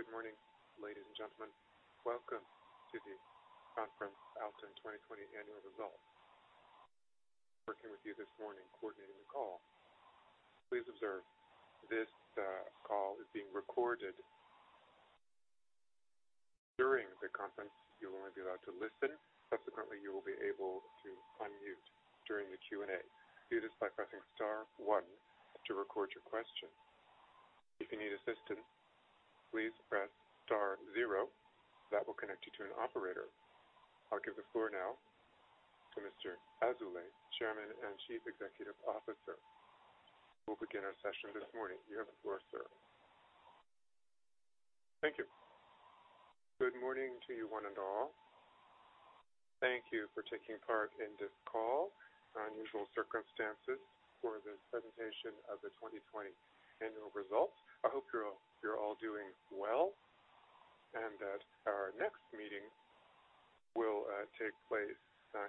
Good morning, ladies and gentlemen. Welcome to the conference, Alten 2020 Annual Results. Working with you this morning coordinating the call. Please observe this call is being recorded. During the conference, you'll only be allowed to listen. Subsequently, you will be able to unmute during the Q&A. Do this by pressing star one to record your question. If you need assistance, please press star zero. That will connect you to an operator. I'll give the floor now to Mr. Azoulay, Chairman and Chief Executive Officer, who will begin our session this morning. You have the floor, sir. Thank you. Good morning to you one and all. Thank you for taking part in this call. Unusual circumstances for the presentation of the 2020 annual results. I hope you're all doing well, and that our next meeting will take place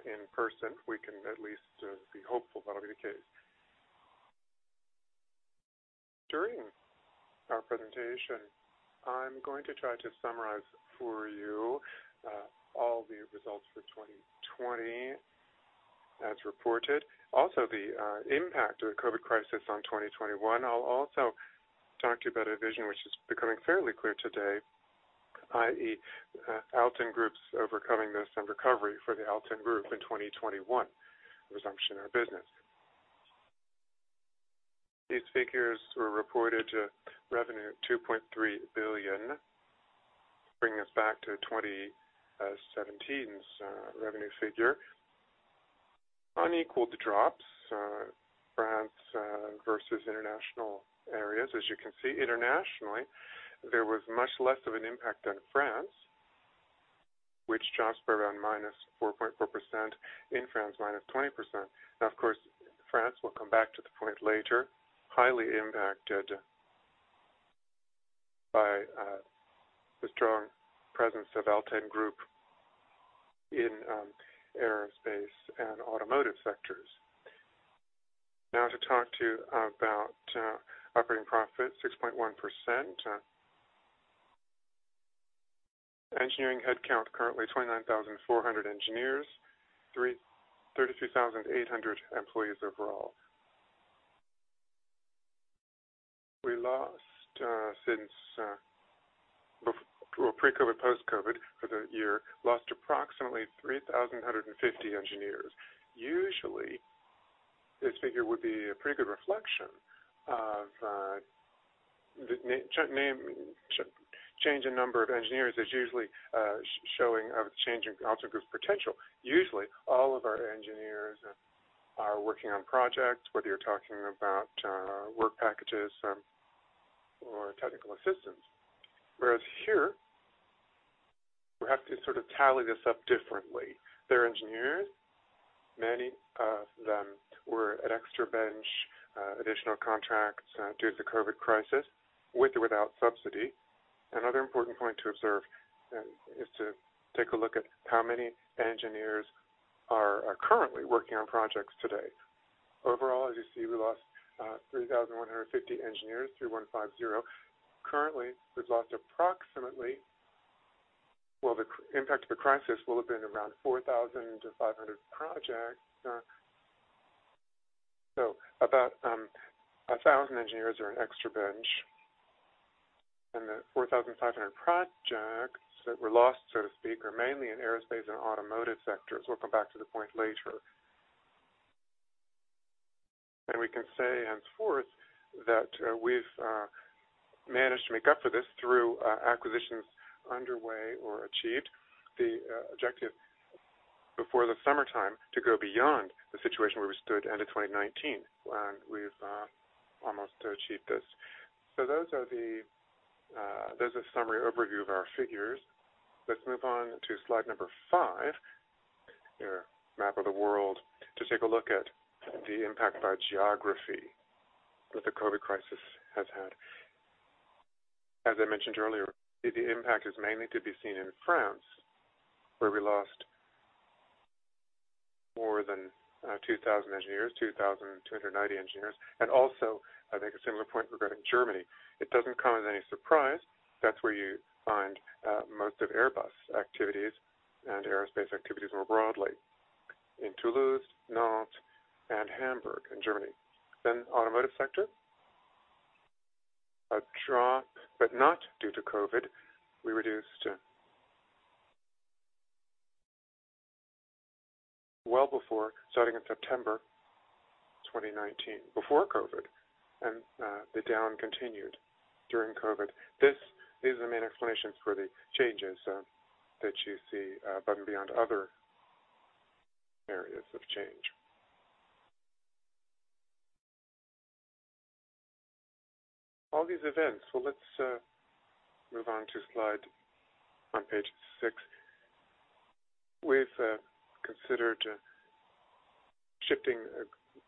in person. We can at least be hopeful that'll be the case. During our presentation, I'm going to try to summarize for you all the results for 2020 as reported. Also, the impact of the COVID crisis on 2021. I'll also talk to you about a vision which is becoming fairly clear today, i.e., Alten Group's overcoming this and recovery for the Alten Group in 2021, resumption of business. These figures were reported to revenue of 2.3 billion, bringing us back to 2017's revenue figure. Unequaled drops, France versus international areas. As you can see, internationally, there was much less of an impact than France, which drops for around -4.4%, in France -20%. Of course, France, we'll come back to the point later, highly impacted by the strong presence of Alten Group in aerospace and automotive sectors. To talk to you about operating profit, 6.1%. Engineering headcount, currently 29,400 engineers, 32,800 employees overall. We lost since pre-COVID, post-COVID, for the year, lost approximately 3,150 engineers. Usually, this figure would be a pretty good reflection. Change in number of engineers is usually showing of change in Alten Group's potential. Usually, all of our engineers are working on projects, whether you're talking about work packages or technical assistance. Whereas here, we have to sort of tally this up differently. They're engineers. Many of them were at extra bench, additional contracts due to the COVID crisis, with or without subsidy. Another important point to observe is to take a look at how many engineers are currently working on projects today. Overall, as you see, we lost 3,150 engineers, 3,150. Currently, we've lost. Well, the impact of the crisis will have been around 4,500 projects. About 1,000 engineers are in extra bench. The 4,500 projects that were lost, so to speak, are mainly in aerospace and automotive sectors. We'll come back to the point later. We can say henceforth that we've managed to make up for this through acquisitions underway or achieved the objective before the summertime to go beyond the situation where we stood end of 2019, and we've almost achieved this. Those are summary overview of our figures. Let's move on to slide number five, your map of the world, to take a look at the impact by geography that the COVID crisis has had. As I mentioned earlier, the impact is mainly to be seen in France, where we lost more than 2,000 engineers, 2,290 engineers. Also, I make a similar point regarding Germany. It doesn't come as any surprise. That's where you find most of Airbus activities and aerospace activities more broadly, in Toulouse, Nantes, and Hamburg in Germany. Automotive sector, a drop, but not due to COVID. We reduced well before starting in September 2019, before COVID, and the down continued during COVID. These are the main explanations for the changes that you see above and beyond other areas of change. All these events. Well, let's move on to slide on page six. We've considered shifting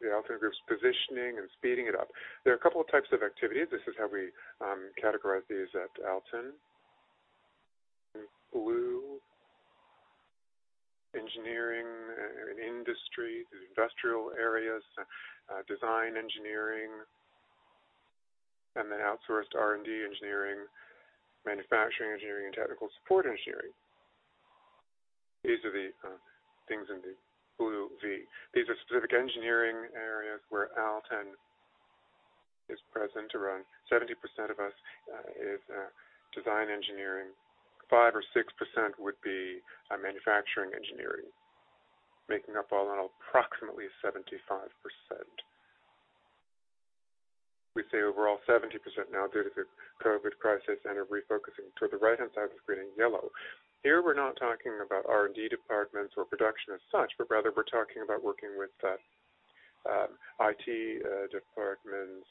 the Alten Group's positioning and speeding it up. There are a couple of types of activities. This is how we categorize these at Alten. In blue, engineering in industry, there's industrial areas, design engineering, and then outsourced R&D engineering, manufacturing engineering, and technical support engineering. These are the things in the blue V. These are specific engineering areas where Alten is present around 70% of us is design engineering. 5% or 6% would be manufacturing engineering, making up all on approximately 75%. We say overall 70% now due to the COVID crisis and are refocusing toward the right-hand side of the screen in yellow. Here we're not talking about R&D departments or production as such, but rather we're talking about working with IT departments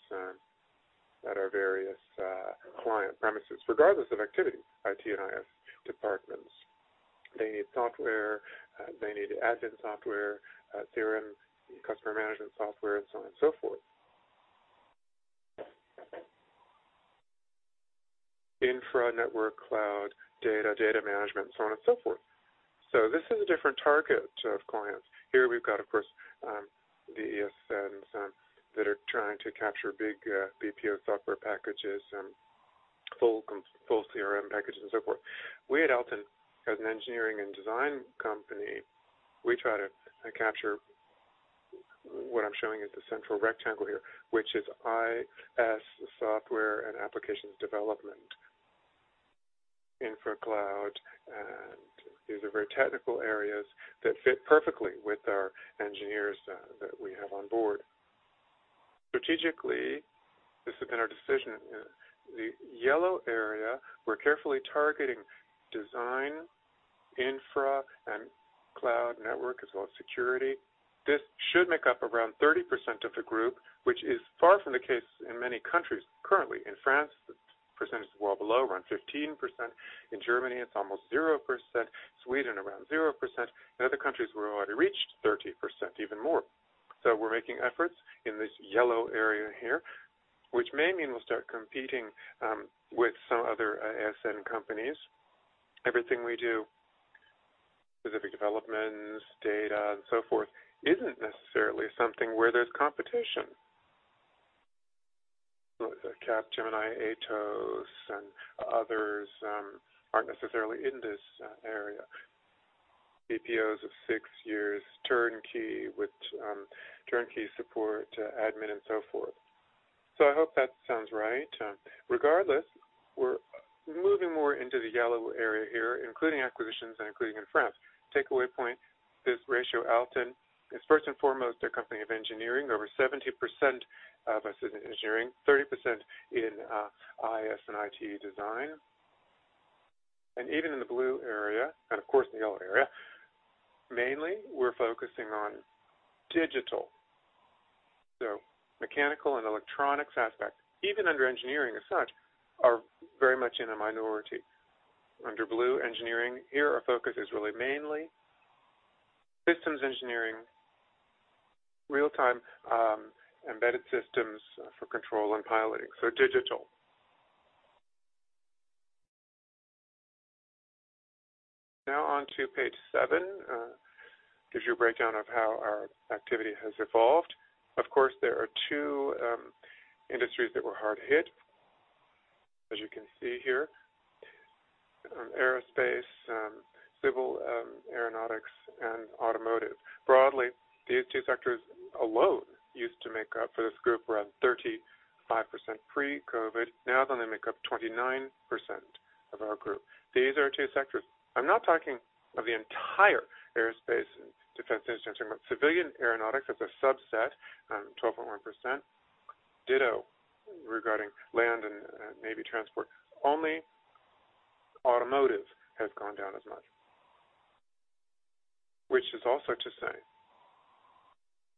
at our various client premises, regardless of activity, IT and IS departments. They need software. They need admin software, CRM, customer management software, and so on and so forth. Infra network, cloud, data management, so on and so forth. This is a different target of clients. Here we've got, of course, the ESNs that are trying to capture big BPO software packages and full CRM packages and so forth. We at Alten, as an engineering and design company, we try to capture what I'm showing as the central rectangle here, which is IS software and applications development. Infra cloud, these are very technical areas that fit perfectly with our engineers that we have on board. Strategically, this has been our decision. The yellow area, we're carefully targeting design, infra, and cloud network, as well as security. This should make up around 30% of the group, which is far from the case in many countries currently. In France, the percentage is well below, around 15%. In Germany, it's almost 0%, Sweden around 0%, in other countries we've already reached 30%, even more. We're making efforts in this yellow area here, which may mean we'll start competing with some other ESN companies. Everything we do, specific developments, data, and so forth, isn't necessarily something where there's competition. Capgemini, Atos, and others aren't necessarily in this area. BPOs of six years, turnkey support, admin and so forth. I hope that sounds right. Regardless, we're moving more into the yellow area here, including acquisitions and including in France. Takeaway point, this ratio, Alten is first and foremost a company of engineering. Over 70% of us is in engineering, 30% in IS and IT design. Even in the blue area, and of course, in the yellow area, mainly we're focusing on digital. Mechanical and electronics aspects, even under engineering as such, are very much in a minority. Under blue engineering here, our focus is really mainly systems engineering, real-time embedded systems for control and piloting. Digital. Now on to page seven. Gives you a breakdown of how our activity has evolved. Of course, there are two industries that were hard hit, as you can see here. Aerospace, civil aeronautics, and automotive. Broadly, these two sectors alone used to make up for this group around 35% pre-COVID, now they only make up 29% of our group. These are two sectors. I'm not talking of the entire aerospace and defense industry. I'm talking about civilian aeronautics as a subset, 12.1%. Ditto regarding land and navy transport. Only automotive has gone down as much, which is also to say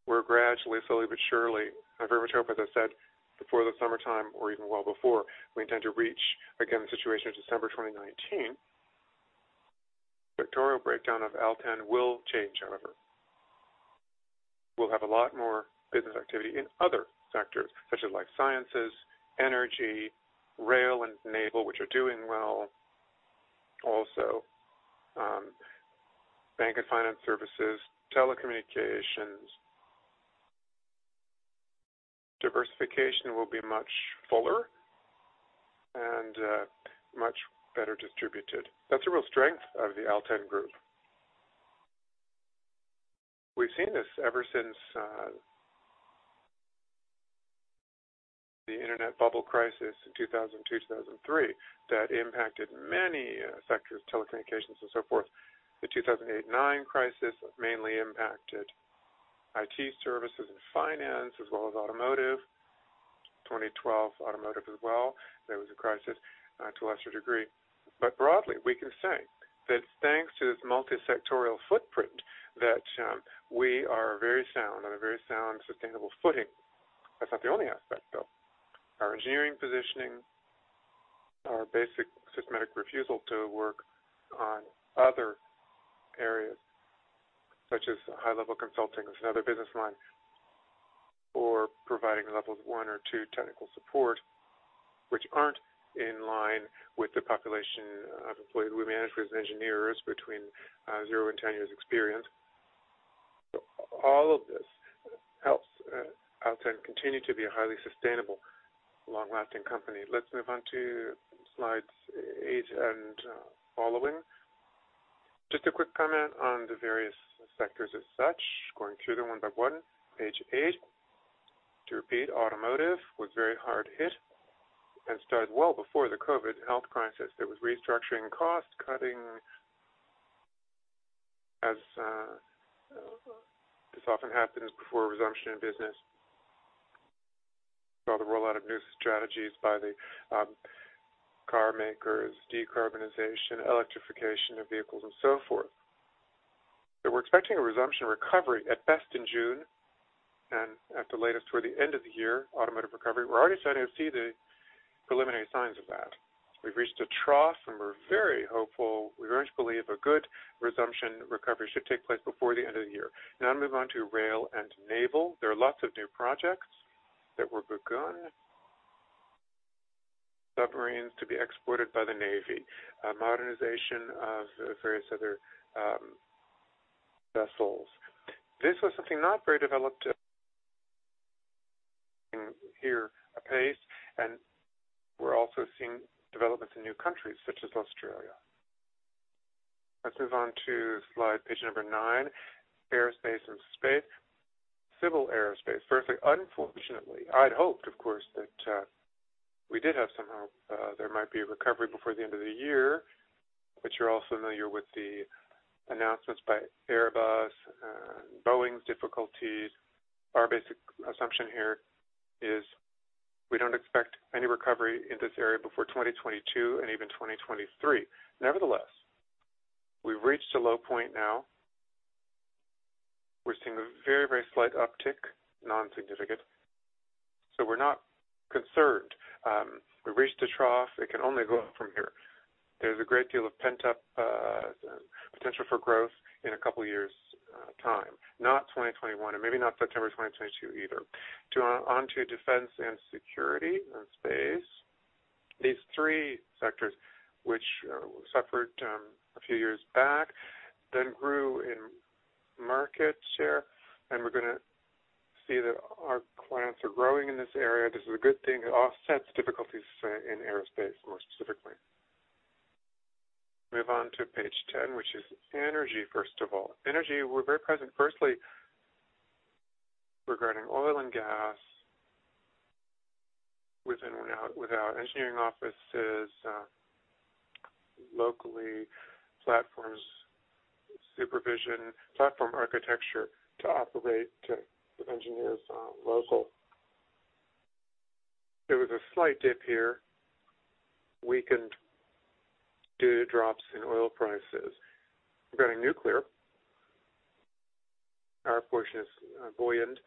we're gradually, slowly but surely, I very much hope, as I said, before the summertime or even well before, we intend to reach again the situation of December 2019. Sectoral breakdown of Alten will change, however. We'll have a lot more business activity in other sectors such as life sciences, energy, rail, and naval, which are doing well. Bank and finance services, telecommunications. Diversification will be much fuller and much better distributed. That's a real strength of the Alten Group. We've seen this ever since the internet bubble crisis in 2002, 2003, that impacted many sectors, telecommunications and so forth. The 2008 and 2009 crisis mainly impacted IT services and finance as well as automotive. 2012, automotive as well. There was a crisis to a lesser degree. Broadly, we can say that thanks to this multi-sectoral footprint, that we are very sound, on a very sound, sustainable footing. That's not the only aspect, though. Our engineering positioning, our basic systematic refusal to work on other areas such as high-level consulting or providing Level 1 or Level 2 technical support, which aren't in line with the population of employees we manage as engineers between zero and 10 years experience. All of this helps Alten continue to be a highly sustainable, long-lasting company. Let's move on to slides eight and following. Just a quick comment on the various sectors as such, going through them one by one. Page eight. To repeat, automotive was very hard hit and started well before the COVID health crisis. There was restructuring, cost cutting, as this often happens before resumption in business. Saw the rollout of new strategies by the car makers, decarbonization, electrification of vehicles, and so forth. We're expecting a resumption recovery at best in June, and at the latest toward the end of the year, automotive recovery. We're already starting to see the preliminary signs of that. We've reached a trough, and we're very hopeful. We very much believe a good resumption recovery should take place before the end of the year. Now we move on to rail and naval. There are lots of new projects that were begun. Submarines to be exported by the Navy. Modernization of various other vessels. This was something not very developed in here. We're also seeing developments in new countries such as Australia. Let's move on to slide page number nine, aerospace and space. Civil aerospace. Firstly, unfortunately, I'd hoped, of course, that we did have some hope there might be a recovery before the end of the year. You're all familiar with the announcements by Airbus, Boeing's difficulties. Our basic assumption here is we don't expect any recovery in this area before 2022 and even 2023. We've reached a low point now. We're seeing a very slight uptick, non-significant. We're not concerned. We reached a trough. It can only go up from here. There's a great deal of pent-up potential for growth in a couple of years' time. Not 2021, and maybe not September 2022 either. On to defense and security and space. These three sectors, which suffered a few years back, then grew in market share, and we're going to see that our clients are growing in this area. This is a good thing. It offsets difficulties in aerospace, more specifically. Move on to page 10, which is energy, first of all. Energy, we're very present. Firstly, regarding oil and gas, with our engineering offices, locally, platforms, supervision, platform architecture to operate with engineers local. There was a slight dip here, weakened due to drops in oil prices. Regarding nuclear, our portion is buoyant.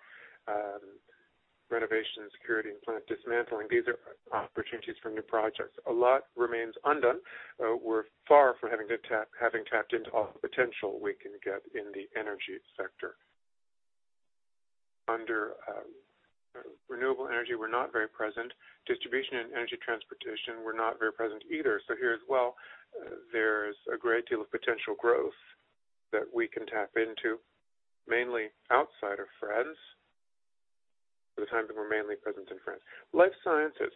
Renovation, security, and plant dismantling, these are opportunities for new projects. A lot remains undone. We're far from having tapped into all the potential we can get in the energy sector. Under renewable energy, we're not very present. Distribution and energy transportation, we're not very present either. Here as well, there's a great deal of potential growth that we can tap into, mainly outside of France, for the time that we're mainly present in France. Life sciences.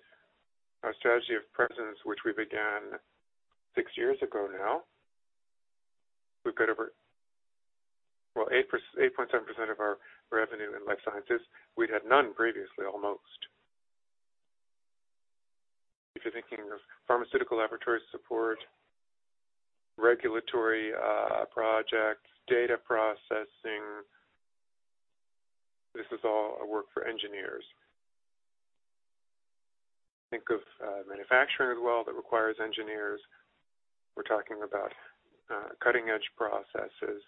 Our strategy of presence, which we began six years ago now, we've got over 8.7% of our revenue in life sciences. We'd had none previously, almost. If you're thinking of pharmaceutical laboratory support, regulatory projects, data processing, this is all work for engineers. Think of manufacturing as well that requires engineers. We're talking about cutting-edge processes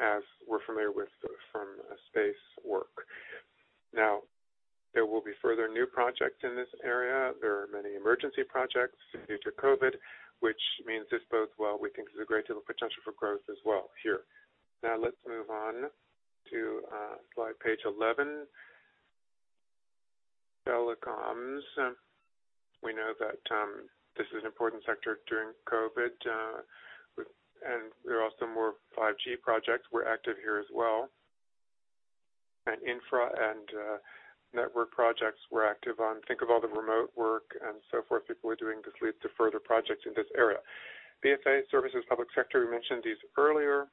as we're familiar with from space work. There will be further new projects in this area. There are many emergency projects due to COVID, which means this bodes well. We think there's a great deal of potential for growth as well here. Let's move on to slide page 11. Telecoms. We know that this is an important sector during COVID, and there are also more 5G projects we're active here as well. Infra and network projects we're active on. Think of all the remote work and so forth people are doing. This leads to further projects in this area. BFA services, public sector, we mentioned these earlier.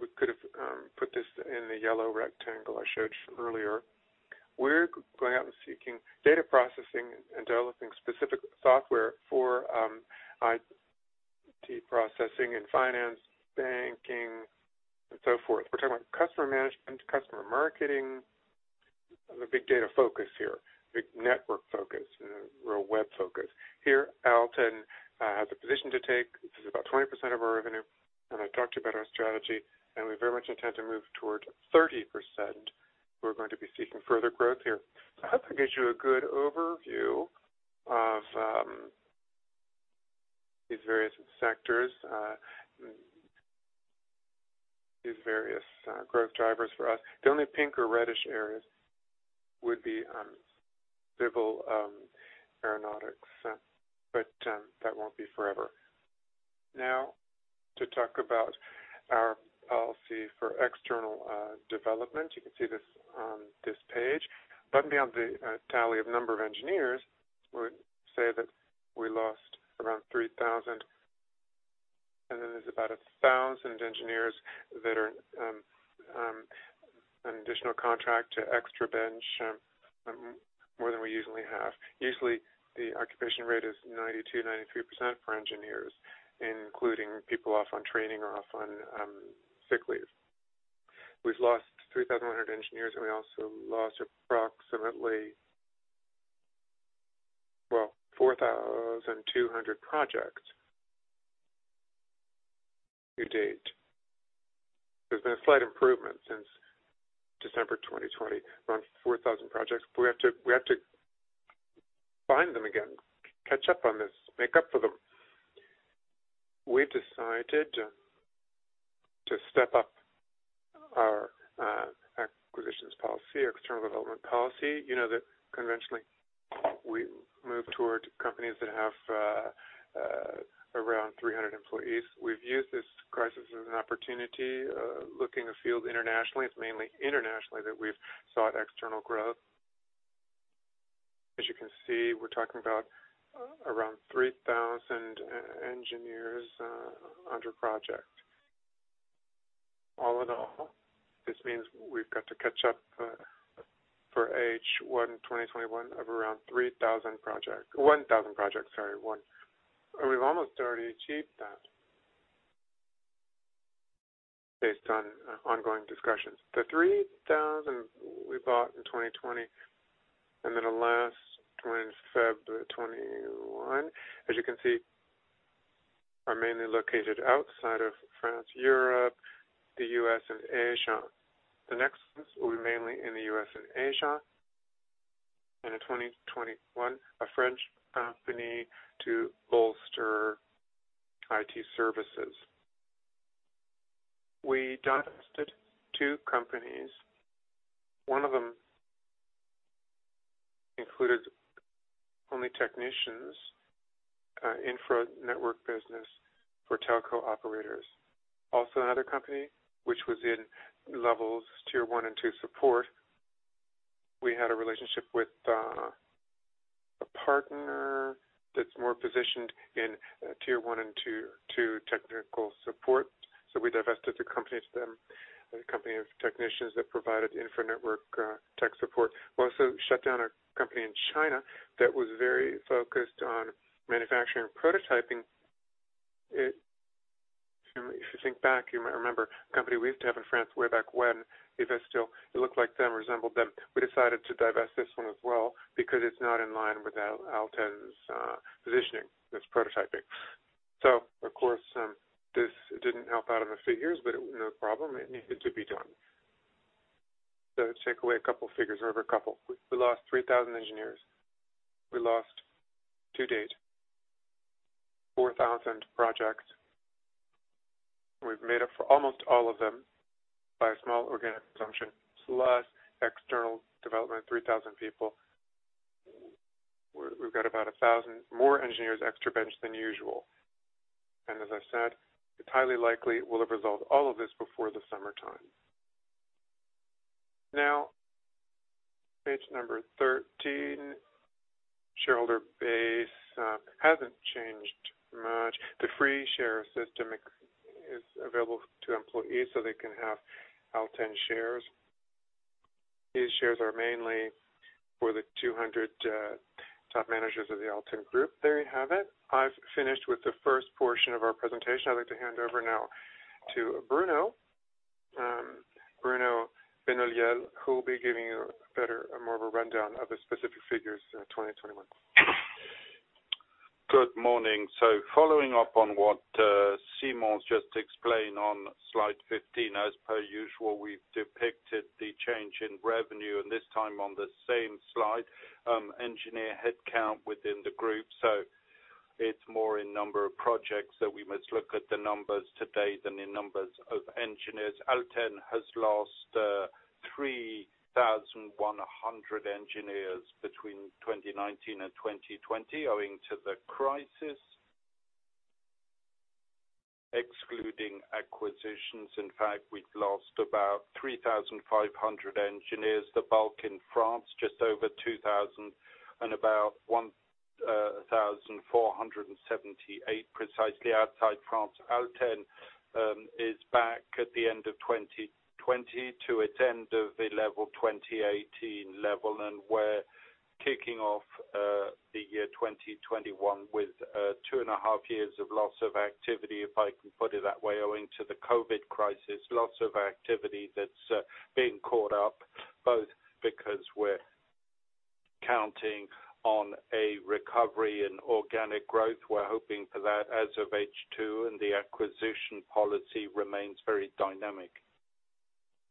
We could have put this in the yellow rectangle I showed earlier. We're going out and seeking data processing and developing specific software for IT processing and finance, banking, and so forth. We're talking about customer management, customer marketing. There's a big data focus here, big network focus, real web focus. Here, Alten has a position to take. This is about 20% of our revenue. I talked to you about our strategy, and we very much intend to move towards 30%. We're going to be seeking further growth here. I hope that gives you a good overview of these various sectors, these various growth drivers for us. The only pink or reddish areas would be civil aeronautics, but that won't be forever. Now to talk about our policy for external development. You can see this on this page. Bottom down, the tally of number of engineers would say that we lost around 3,000, and then there's about 1,000 engineers that are an additional contract to extra bench, more than we usually have. Usually, the occupation rate is 92%, 93% for engineers, including people off on training or off on sick leave. We've lost 3,100 engineers, and we also lost approximately 4,200 projects to date. There's been a slight improvement since December 2020, around 4,000 projects. We have to find them again, catch up on this, make up for them. We've decided to step up our acquisitions policy, external development policy. You know that conventionally, we move toward companies that have around 300 employees. We've used this crisis as an opportunity, looking afield internationally. It's mainly internationally that we've sought external growth. As you can see, we're talking about around 3,000 engineers under project. All in all, this means we've got to catch up for H1 2021 of around 1,000 projects. We've almost already achieved that based on ongoing discussions. The 3,000 we bought in 2020, then the last one in February 2021, as you can see, are mainly located outside of France, Europe, the U.S., and Asia. The next ones will be mainly in the U.S. and Asia, in 2021, a French company to bolster IT services. We divested two companies. One of them included only technicians, infra network business for telco operators. Another company which was in levels tier 1 and tier 2 support. We divested the company to them, a company of technicians that provided infra network tech support. We also shut down a company in China that was very focused on manufacturing and prototyping. If you think back, you might remember a company we used to have in France way back when, Idestyle. It looked like them, resembled them. We decided to divest this one as well because it's not in line with Alten's positioning, this prototyping. Of course, this didn't help out on the figures, but no problem, it needed to be done. Let's take away a couple figures. We lost 3,000 engineers. We lost, to date, 4,000 projects. We've made up for almost all of them by a small organic assumption plus external development, 3,000 people. We've got about 1,000 more engineers extra bench than usual. As I said, it's highly likely we'll have resolved all of this before the summertime. Now, page number 13, shareholder base. Hasn't changed much. The free share system is available to employees so they can have Alten shares. These shares are mainly for the 200 top managers of the Alten Group. There you have it. I've finished with the first portion of our presentation. I'd like to hand over now to Bruno Benoliel, who will be giving you more of a rundown of the specific figures in 2021. Good morning. Following up on what Simon just explained on Slide 15, as per usual, we've depicted the change in revenue, and this time on the same slide, engineer headcount within the group. It's more in number of projects that we must look at the numbers to date than in numbers of engineers. Alten has lost 3,100 engineers between 2019 and 2020 owing to the crisis. Excluding acquisitions, in fact, we've lost about 3,500 engineers, the bulk in France, just over 2,000 and about 1,478 precisely outside France. Alten is back at the end of 2020 to its end of the level 2018 level, and we're kicking off the year 2021 with two and a half years of loss of activity, if I can put it that way, owing to the COVID crisis. Loss of activity that's being caught up, both because we're counting on a recovery in organic growth, we're hoping for that as of H2, and the acquisition policy remains very dynamic.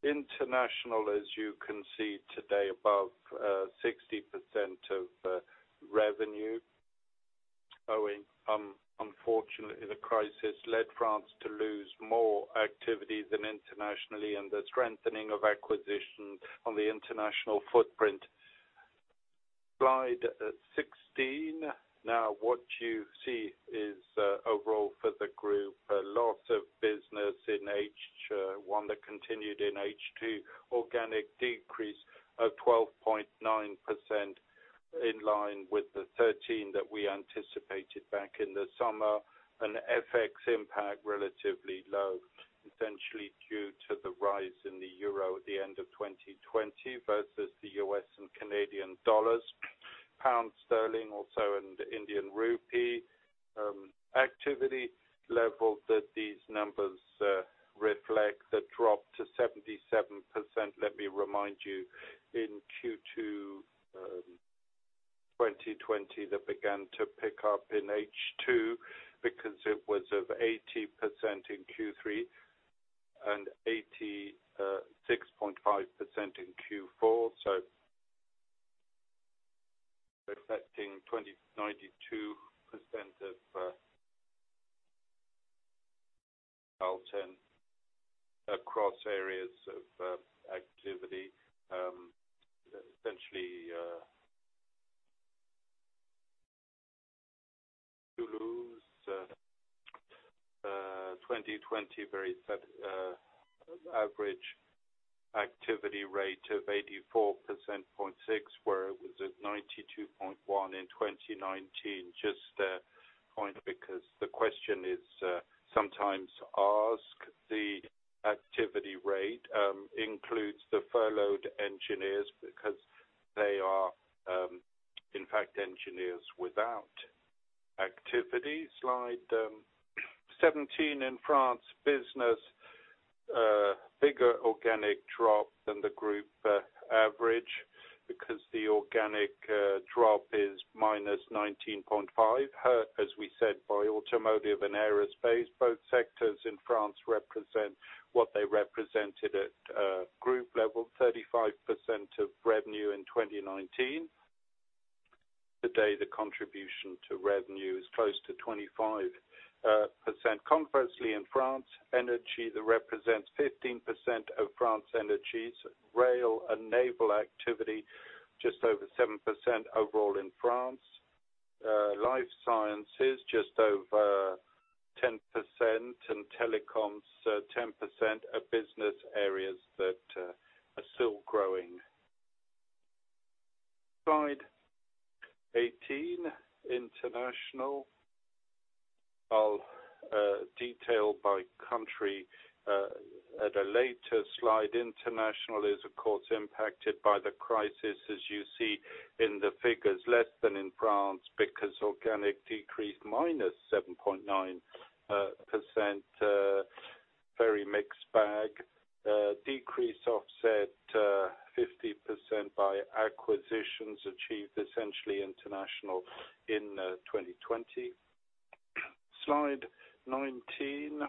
International, as you can see today, above 60% of revenue. Owing, unfortunately, the crisis led France to lose more activity than internationally, and the strengthening of acquisition on the international footprint. Slide 16. Now what you see is overall for the group, a loss of business in H1 that continued in H2, organic decrease of 12.9% in line with the 13% that we anticipated back in the summer. An FX impact relatively low, essentially due to the rise in the euro at the end of 2020 versus the U.S. and Canadian dollars, pound sterling also and the Indian rupee. Activity level that these numbers reflect a drop to 77%. Let me remind you, in Q2 2020 that began to pick up in H2 because it was of 80% in Q3 and 86.5% in Q4. Affecting 92% of Alten across areas of activity. Essentially, you lose 2020 average activity rate of 84.6%, where it was at 92.1% in 2019. Just a point because the question is sometimes asked, the activity rate includes the furloughed engineers because they are, in fact, engineers without activity. Slide 17. In France business, bigger organic drop than the group average because the organic drop is -19.5%, hurt, as we said, by automotive and aerospace. Both sectors in France represent what they represented at group level, 35% of revenue in 2019. Today, the contribution to revenue is close to 25%. Conversely, in France, energy that represents 15% of France energies, rail and naval activity, just over 7% overall in France. Life sciences, just over 10%, and telecoms, 10% of business areas that are still growing. Slide 18, international. I'll detail by country at a later slide. International is, of course, impacted by the crisis, as you see in the figures, less than in France because organic decreased -7.9%. Very mixed bag. Decrease offset 50% by acquisitions achieved essentially international in 2020. Slide 19,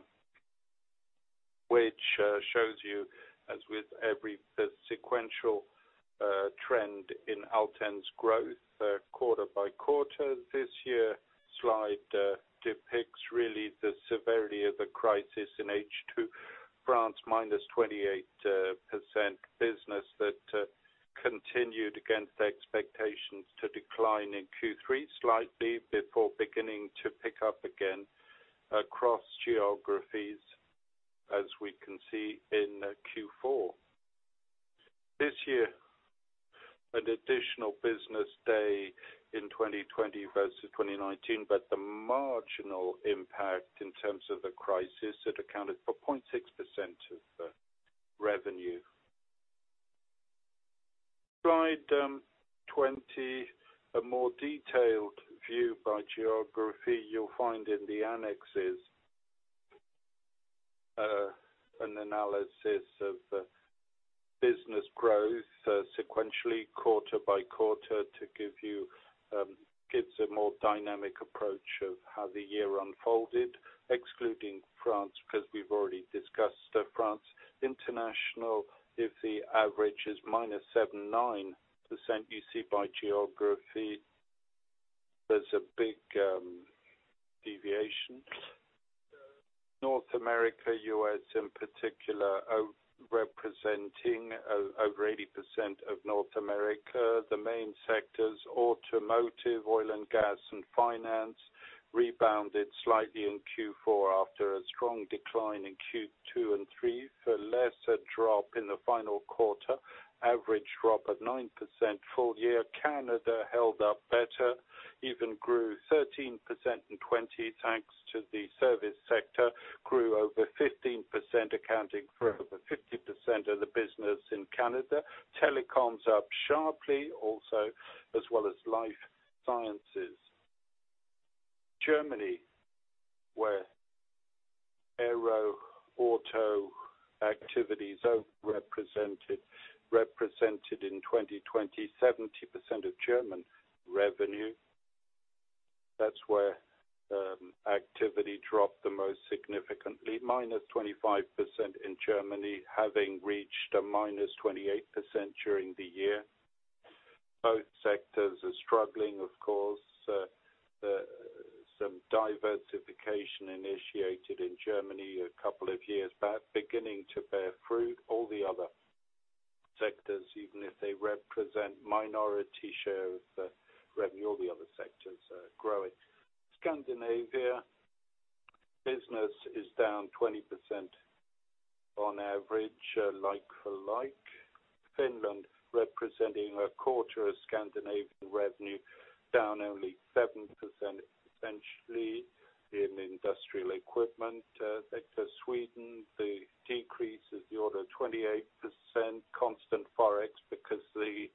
which shows you as with every sequential trend in Alten's growth quarter-by-quarter. This year slide depicts really the severity of the crisis in H2, France -28% business that continued against expectations to decline in Q3 slightly before beginning to pick up again across geographies, as we can see in Q4. This year, an additional business day in 2020 versus 2019, but the marginal impact in terms of the crisis, it accounted for 0.6% of revenue. Slide 20, a more detailed view by geography. You'll find in the annexes an analysis of business growth sequentially quarter by quarter to give you a more dynamic approach of how the year unfolded, excluding France because we've already discussed France. International, if the average is -7.9%, you see by geography there's a big deviation. North America, U.S. in particular, representing over 80% of North America. The main sectors, automotive, oil and gas, and finance rebounded slightly in Q4 after a strong decline in Q2 and Q3 for a lesser drop in the final quarter. Average drop at 9% full year. Canada held up better, even grew 13% in 2020, thanks to the service sector, grew over 15%, accounting for over 50% of the business in Canada. Telecom's up sharply also as well as life sciences. Germany, where aero, auto activities overrepresented in 2020, 70% of German revenue. That's where activity dropped the most significantly, -25% in Germany, having reached a -28% during the year. Both sectors are struggling, of course. Some diversification initiated in Germany a couple of years back, beginning to bear fruit. All the other sectors, even if they represent minority share of the revenue, all the other sectors are growing. Scandinavia business is down 20% on average, like for like. Finland representing a quarter of Scandinavian revenue down only 7%, essentially in industrial equipment sector. Sweden, the decrease is the order of 28% constant ForEx because the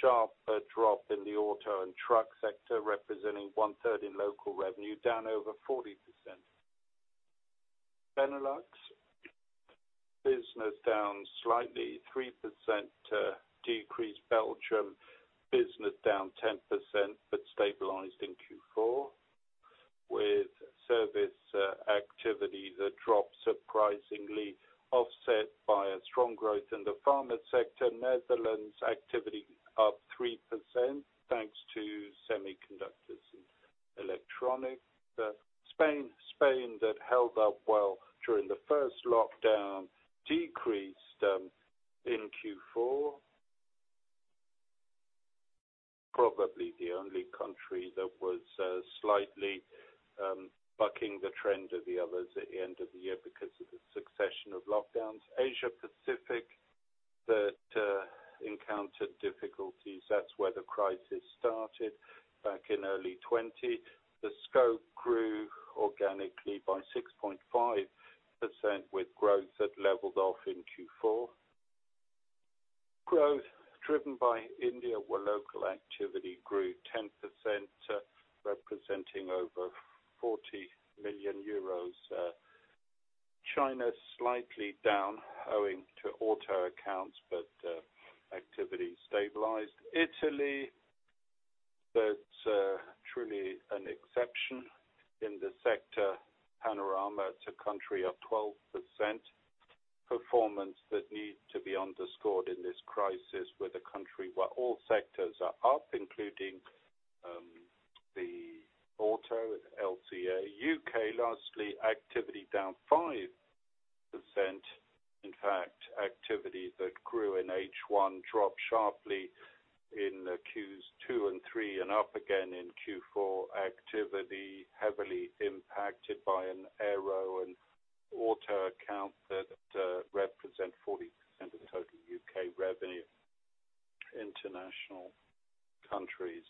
sharp drop in the auto and truck sector representing 1/3 in local revenue, down over 40%. Benelux business down slightly 3% decrease. Belgium business down 10%, but stabilized in Q4 with service activities that dropped surprisingly offset by a strong growth in the pharma sector. Netherlands activity up 3% thanks to semiconductors and electronics. Spain that held up well during the first lockdown decreased in Q4. Probably the only country that was slightly bucking the trend of the others at the end of the year because of the succession of lockdowns. Asia Pacific that encountered difficulties. That's where the crisis started back in early 2020. The scope grew organically by 6.5% with growth that leveled off in Q4. Growth driven by India, where local activity grew 10%, representing over 40 million euros. China slightly down owing to auto accounts, but activity stabilized. Italy, that's truly an exception in the sector panorama. It's a country of 12% performance that need to be underscored in this crisis with a country where all sectors are up, including the auto, LCA. U.K. lastly, activity down 5%. Activity that grew in H1 dropped sharply in the Q2 and Q3 and up again in Q4. Activity heavily impacted by an aero and auto account that represent 40% of total U.K. revenue. International countries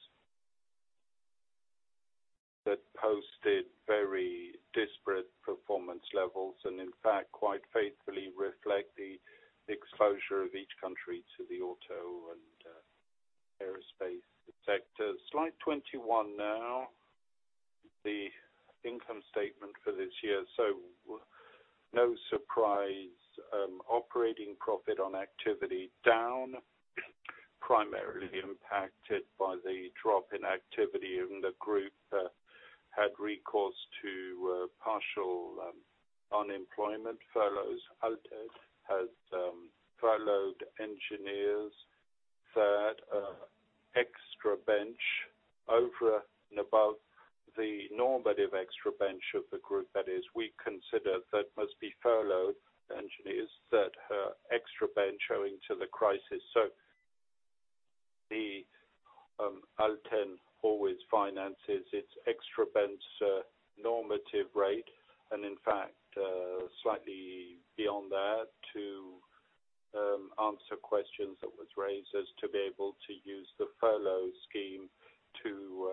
that posted very disparate performance levels and in fact quite faithfully reflect the exposure of each country to the auto and aerospace sectors. Slide 21. The income statement for this year. No surprise operating profit on activity down, primarily impacted by the drop in activity in the group that had recourse to partial unemployment furloughs. Alten has furloughed engineers that are extra bench over and above the normative extra bench of the group. That is, we consider that must be furloughed engineers that are extra bench owing to the crisis. Alten always finances its extra bench normative rate, and in fact slightly beyond that to answer questions that was raised as to be able to use the furlough scheme to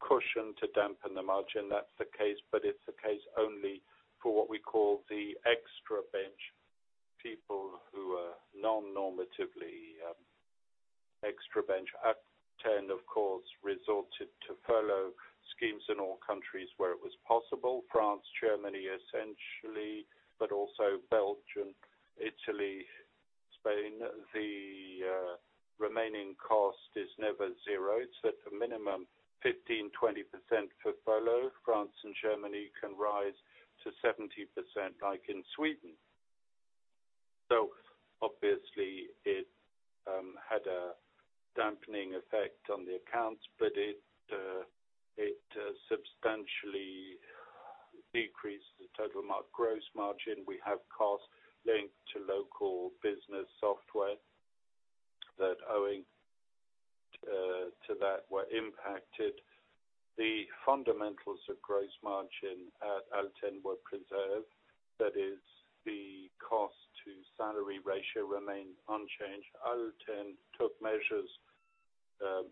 cushion, to dampen the margin. That's the case, but it's the case only for what we call the extra bench people who are non-normatively extra bench. Alten of course resorted to furlough schemes in all countries where it was possible. France, Germany essentially, but also Belgium, Italy, Spain. The remaining cost is never zero. It's at a minimum 15%-20% for furlough. France and Germany can rise to 70% like in Sweden. Obviously it had a dampening effect on the accounts, but it substantially decreased the total gross margin. We have costs linked to local business software that owing to that were impacted. The fundamentals of gross margin at Alten were preserved. That is the cost to salary ratio remained unchanged. Alten took measures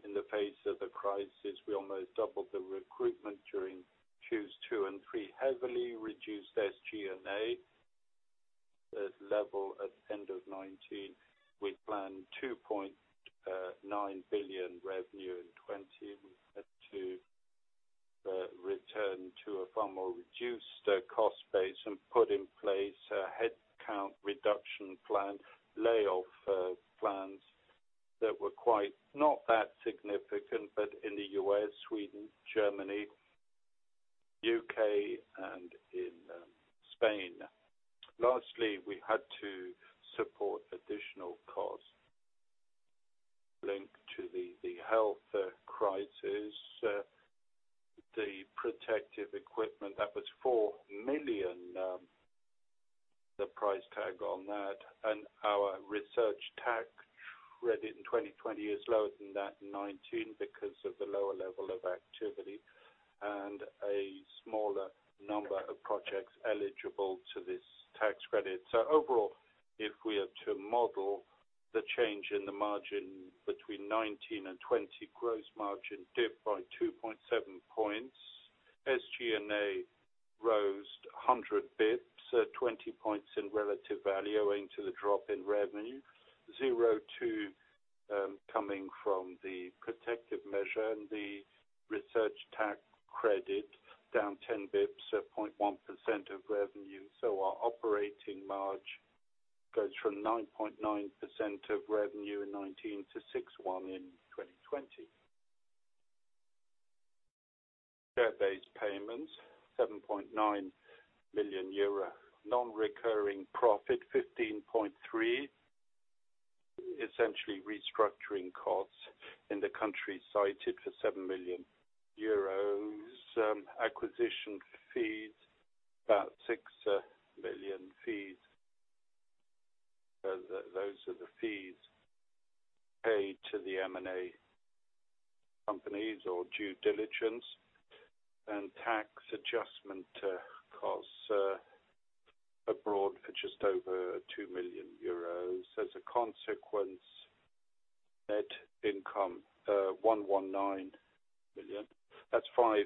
in the face of the crisis. We almost doubled the recruitment during Q2 and Q3, heavily reduced SG&A. This level at the end of 2019, we plan 2.9 billion revenue in 2020. We had to turn to a far more reduced cost base and put in place a headcount reduction plan, layoff plans that were not that significant, but in the U.S., Sweden, Germany, U.K., and in Spain. Lastly, we had to support additional costs linked to the health crisis, the protective equipment that was 4 million, the price tag on that, and our research tax credit in 2020 is lower than that in 2019 because of the lower level of activity and a smaller number of projects eligible to this tax credit. Overall, if we are to model the change in the margin between 2019 and 2020, gross margin dip by 2.7 points, SG&A rose 100 basis points, 20 points in relative value owing to the drop in revenue, 0.2% coming from the protective measure and the research tax credit down 10 basis points, so 0.1% of revenue. Our operating margin goes from 9.9% of revenue in 2019 to 6.1% in 2020. Share-based payments, 7.9 million euro. Non-recurring profit, 15.3 million. Essentially restructuring costs in the country cited for 7 million euros. Acquisition fees, about 6 million fees. Those are the fees paid to the M&A companies or due diligence. Tax adjustment costs abroad are just over 2 million euros. As a consequence, net income, 119 million. That's 5%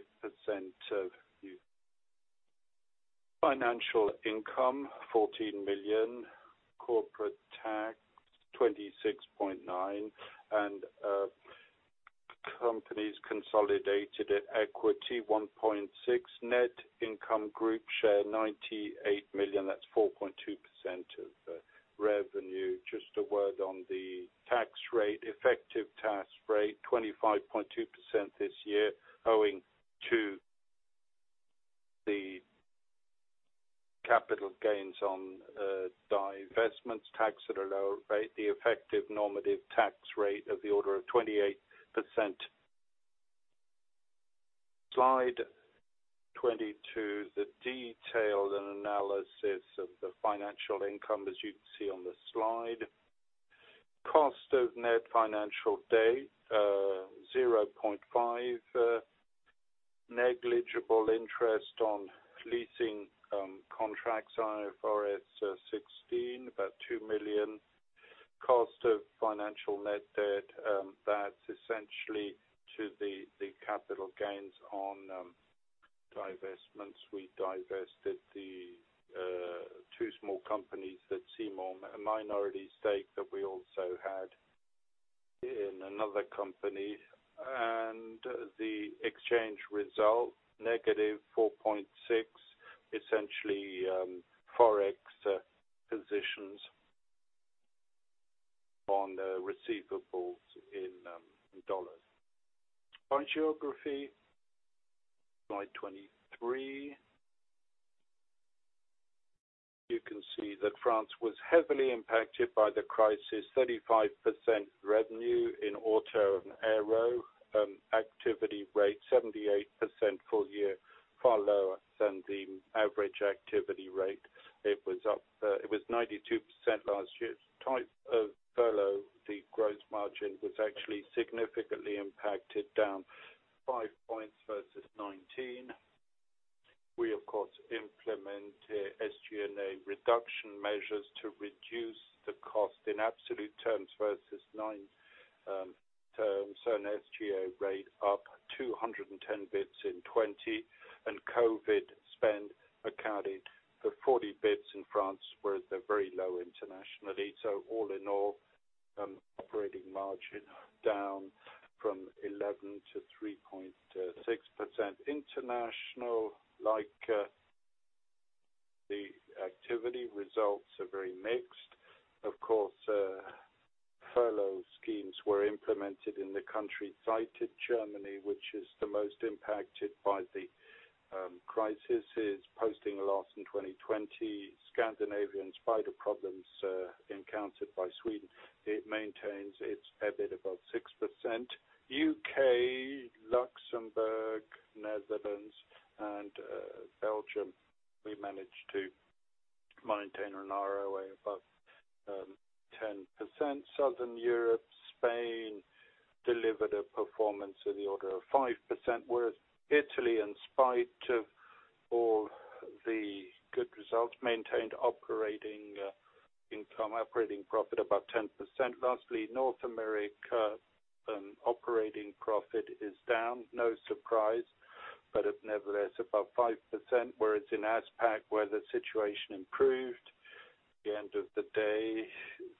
of financial income, 14 million, corporate tax 26.9 million, and companies consolidated at equity 1.6 million, net income group share 98 million, that's 4.2% of revenue. Just a word on the tax rate, effective tax rate, 25.2% this year owing to the capital gains on divestments taxed at a lower rate, the effective normative tax rate of the order of 28%. Slide 22, the detailed analysis of the financial income, as you can see on the slide. Cost of net financial debt, 0.5. Negligible interest on leasing contracts under IFRS 16, about 2 million. Cost of financial net debt, that's essentially to the capital gains on divestments. We divested the two small companies that see a minority stake that we also had in another company. The exchange result, -4.6, essentially ForEx positions on receivables in USD. By geography, slide 23. You can see that France was heavily impacted by the crisis, 35% revenue in auto and aero. Activity rate, 78% full year, far lower than the average activity rate. It was 92% last year. Type of furlough, the gross margin was actually significantly impacted, down 5 points versus 2019. We, of course, implement SG&A reduction measures to reduce the cost in absolute terms versus 2019 terms. SG&A rate up 210 basis points in 2020 and COVID spend accounted for 40 basis points in France, whereas they're very low internationally. All in all, operating margin down from 11%-3.6%. International, like the activity results, are very mixed. Of course, furlough schemes were implemented in the country cited. Germany, which is the most impacted by the crisis, is posting a loss in 2020. Scandinavian, in spite of problems encountered by Sweden, it maintains its EBIT above 6%. U.K., Luxembourg, Netherlands, and Belgium, we managed to maintain an ROA above 10%. Southern Europe, Spain delivered a performance in the order of 5%, whereas Italy, in spite of all the good results, maintained operating income, operating profit about 10%. Lastly, North America operating profit is down, no surprise, but it nevertheless above 5%, whereas in APAC, where the situation improved. The end of the day,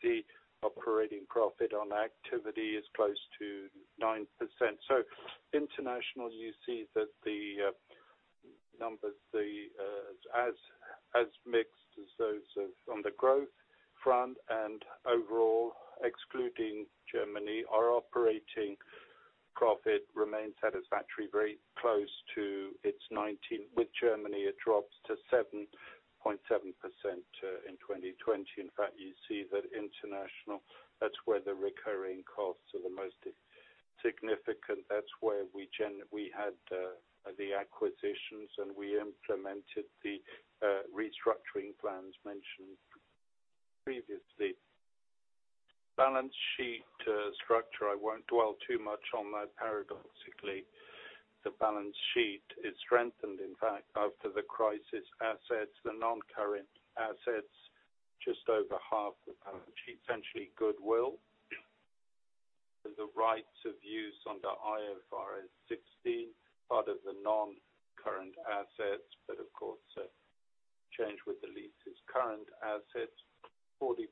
the operating profit on activity is close to 9%. International, you see that the numbers, as mixed as those on the growth front and overall, excluding Germany, our operating profit remains satisfactory, very close to its 19%. With Germany, it drops to 7.7% in 2020. In fact, you see that international, that's where the recurring costs are the most significant. That's where we had the acquisitions, and we implemented the restructuring plans mentioned previously. Balance sheet structure, I won't dwell too much on that. Paradoxically, the balance sheet is strengthened, in fact, after the crisis assets, the non-current assets, just over half the balance sheet, essentially goodwill. The rights of use under IFRS 16, part of the non-current assets, but of course, change with the leases. Current assets, 40%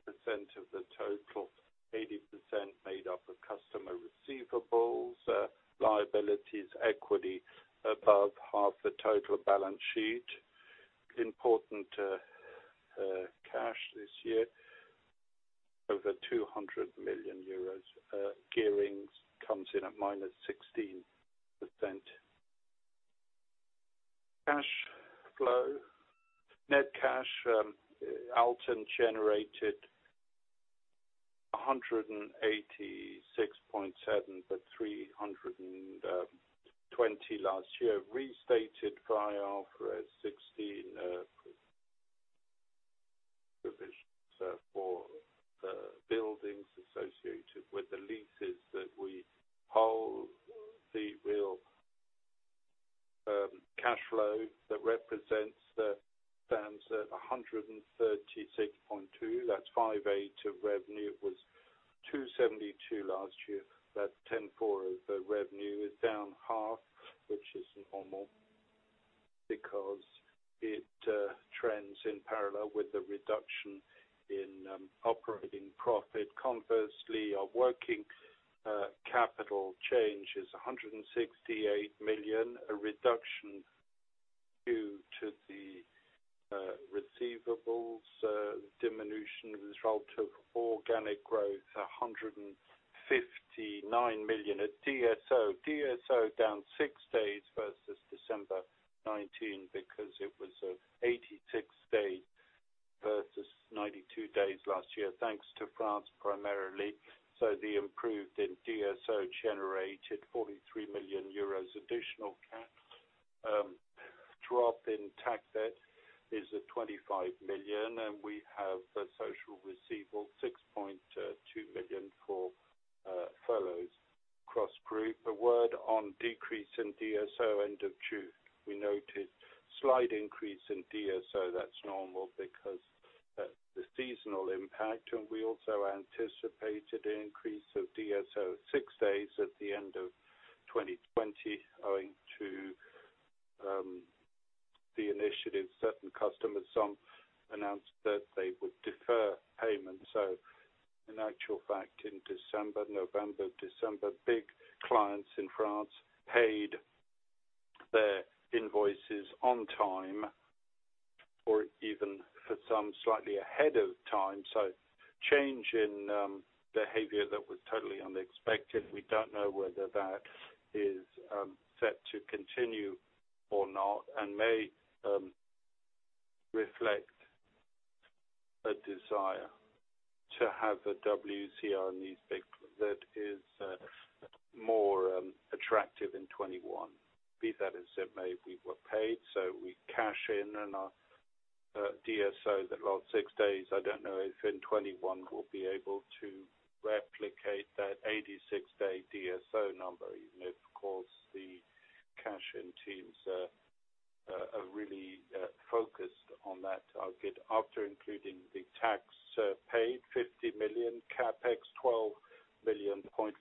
of the total, 80% made up of customer receivables, liabilities, equity, above half the total balance sheet. Important cash this year, over 200 million euros. Gearing comes in at -16%. Cash flow. Net cash, Alten generated 186.7. 320 last year. Restated via IFRS 16 provisions for the buildings associated with the leases that we hold, the real cash flow stands at 136.2. That's 5.8% of revenue. It was 272 last year. That's 10.4% of the revenue is down half, which is normal because it trends in parallel with the reduction in operating profit. Conversely, our working capital change is 168 million, a reduction due to the receivables diminution, result of organic growth, 159 million. DSO down six days versus December 2019 because it was at 86 days versus 92 days last year, thanks to France, primarily. The improved in DSO generated 43 million euros additional cash. Drop in tax debt is at 25 million, and we have a social receivable, 6.2 million for fellows cross-group. A word on decrease in DSO end of June. We noted slight increase in DSO. That's normal because that's the seasonal impact. We also anticipated an increase of DSO six days at the end of 2020 owing to the initiative. Certain customers, some announced that they would defer payments. In actual fact, in December, November, December, big clients in France paid their invoices on time or even for some slightly ahead of time. Change in behavior that was totally unexpected. We don't know whether that is set to continue or not and may reflect a desire to have a WCR need that is more attractive in 2021. Be that as it may, we were paid, we cash in on our DSO that lost six days. I don't know if in 2021 we'll be able to replicate that 86-day DSO number, even if, of course, the cash-in teams are really focused on that target. After including the tax paid, 50 million CapEx, 12 million, 0.5%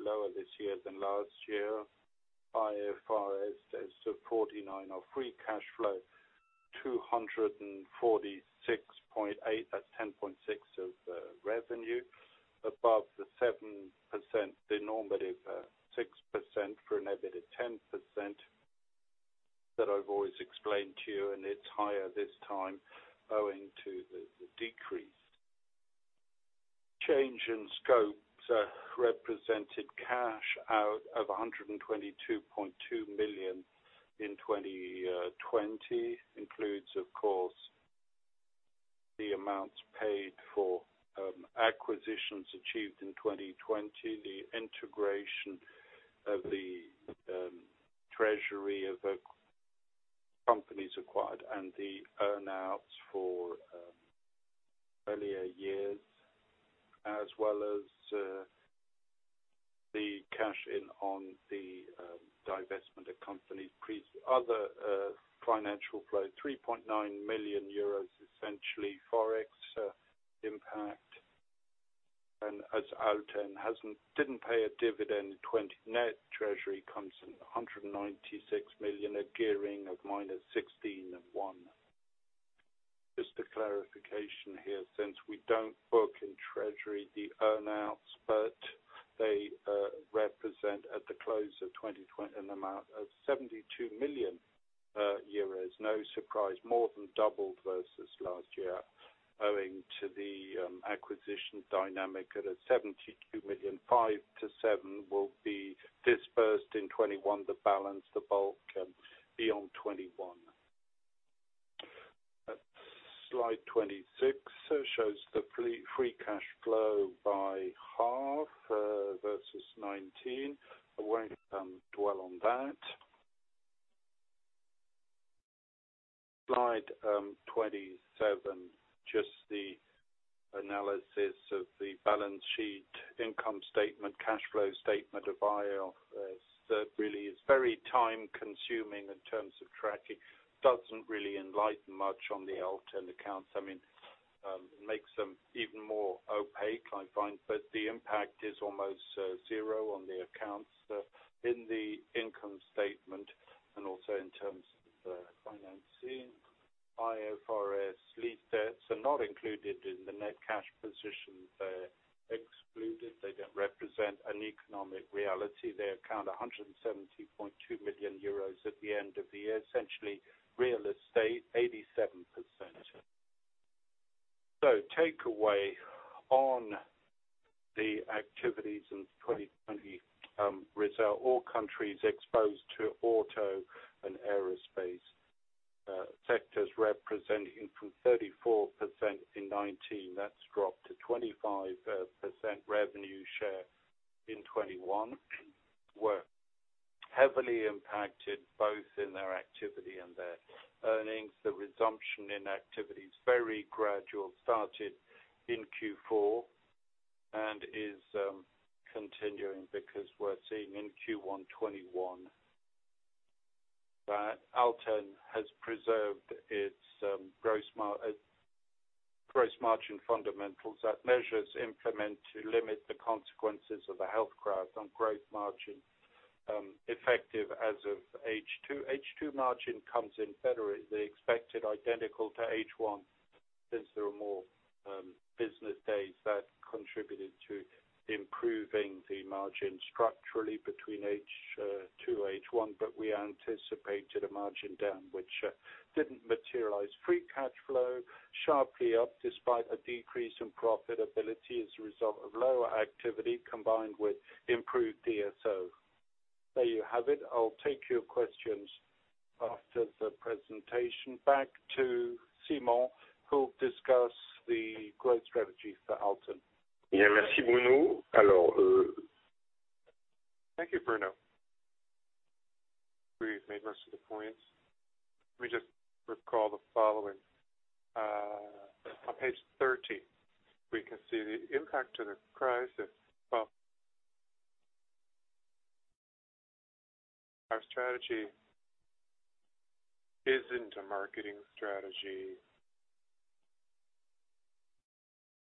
lower this year than last year. IFRS as of 49. Our free cash flow, EUR 246.8. That's 10.6% of revenue above the 7%, the normative 6% for an EBITDA 10% that I've always explained to you, it's higher this time owing to the decrease. Change in scope represented cash out of 122.2 million in 2020. Includes, of course, the amounts paid for acquisitions achieved in 2020, the integration of the treasury of companies acquired, and the earn-outs for earlier years, as well as the cash in on the divestment of companies. Other financial flow, EUR 3.9 million, essentially ForEx impact. As Alten didn't pay a dividend in 2020. Net treasury comes in at 196 million, a gearing of -16.1 million. Just a clarification here, since we don't book in treasury the earn-outs, but they represent at the close of 2020 an amount of 72 million euros. No surprise, more than doubled versus last year, owing to the acquisition dynamic at 72 million. 5 million-7 million will be disbursed in 2021, the balance, the bulk, beyond 2021. Slide 26 shows the free cash flow by half versus 2019. I won't dwell on that. Slide 27, just the analysis of the balance sheet, income statement, cash flow statement of IFRS. That really is very time consuming in terms of tracking. Doesn't really enlighten much on the Alten accounts. Makes them even more opaque, I find, but the impact is almost zero on the accounts in the income statement, and also in terms of the financing. IFRS lease debts are not included in the net cash position. They're excluded. They don't represent an economic reality. They account 170.2 million euros at the end of the year, essentially real estate, 87%. Takeaway on the activities in 2020 result, all countries exposed to auto and aerospace sectors representing from 34% in 2019, that's dropped to 25% revenue share in 2021, were heavily impacted both in their activity and their earnings. The resumption in activity is very gradual, started in Q4, is continuing because we're seeing in Q1 2021 that Alten has preserved its gross margin fundamentals. That measures implement to limit the consequences of a health crisis on gross margin effective as of H2. H2 margin comes in better. They expected identical to H1 since there were more business days that contributed to improving the margin structurally between H2-H1, we anticipated a margin down, which didn't materialize. Free cash flow sharply up despite a decrease in profitability as a result of lower activity combined with improved DSO. There you have it. I'll take your questions after the presentation. Back to Simon, who'll discuss the growth strategy for Alten. Thank you, Bruno. We've made most of the points. Let me just recall the following. On page 13, we can see the impact of the crisis. Well, our strategy isn't a marketing strategy.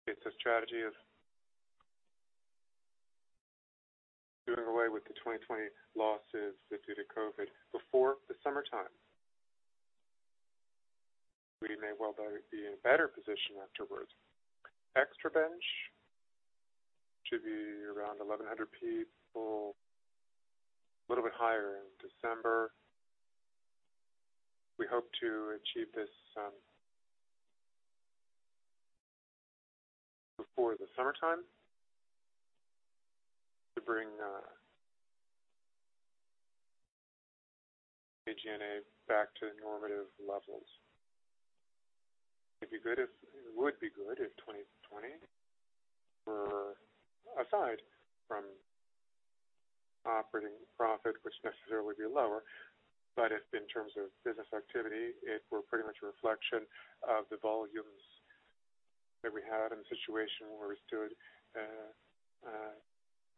It's a strategy of doing away with the 2020 losses due to COVID before the summertime. We may well be in a better position afterwards. Extra bench should be around 1,100 people, a little bit higher in December. We hope to achieve this before the summertime to bring AGNA back to normative levels. It would be good if 2020 were, aside from operating profit, which necessarily would be lower, but in terms of business activity, if we're pretty much a reflection of the volumes that we had and the situation where we stood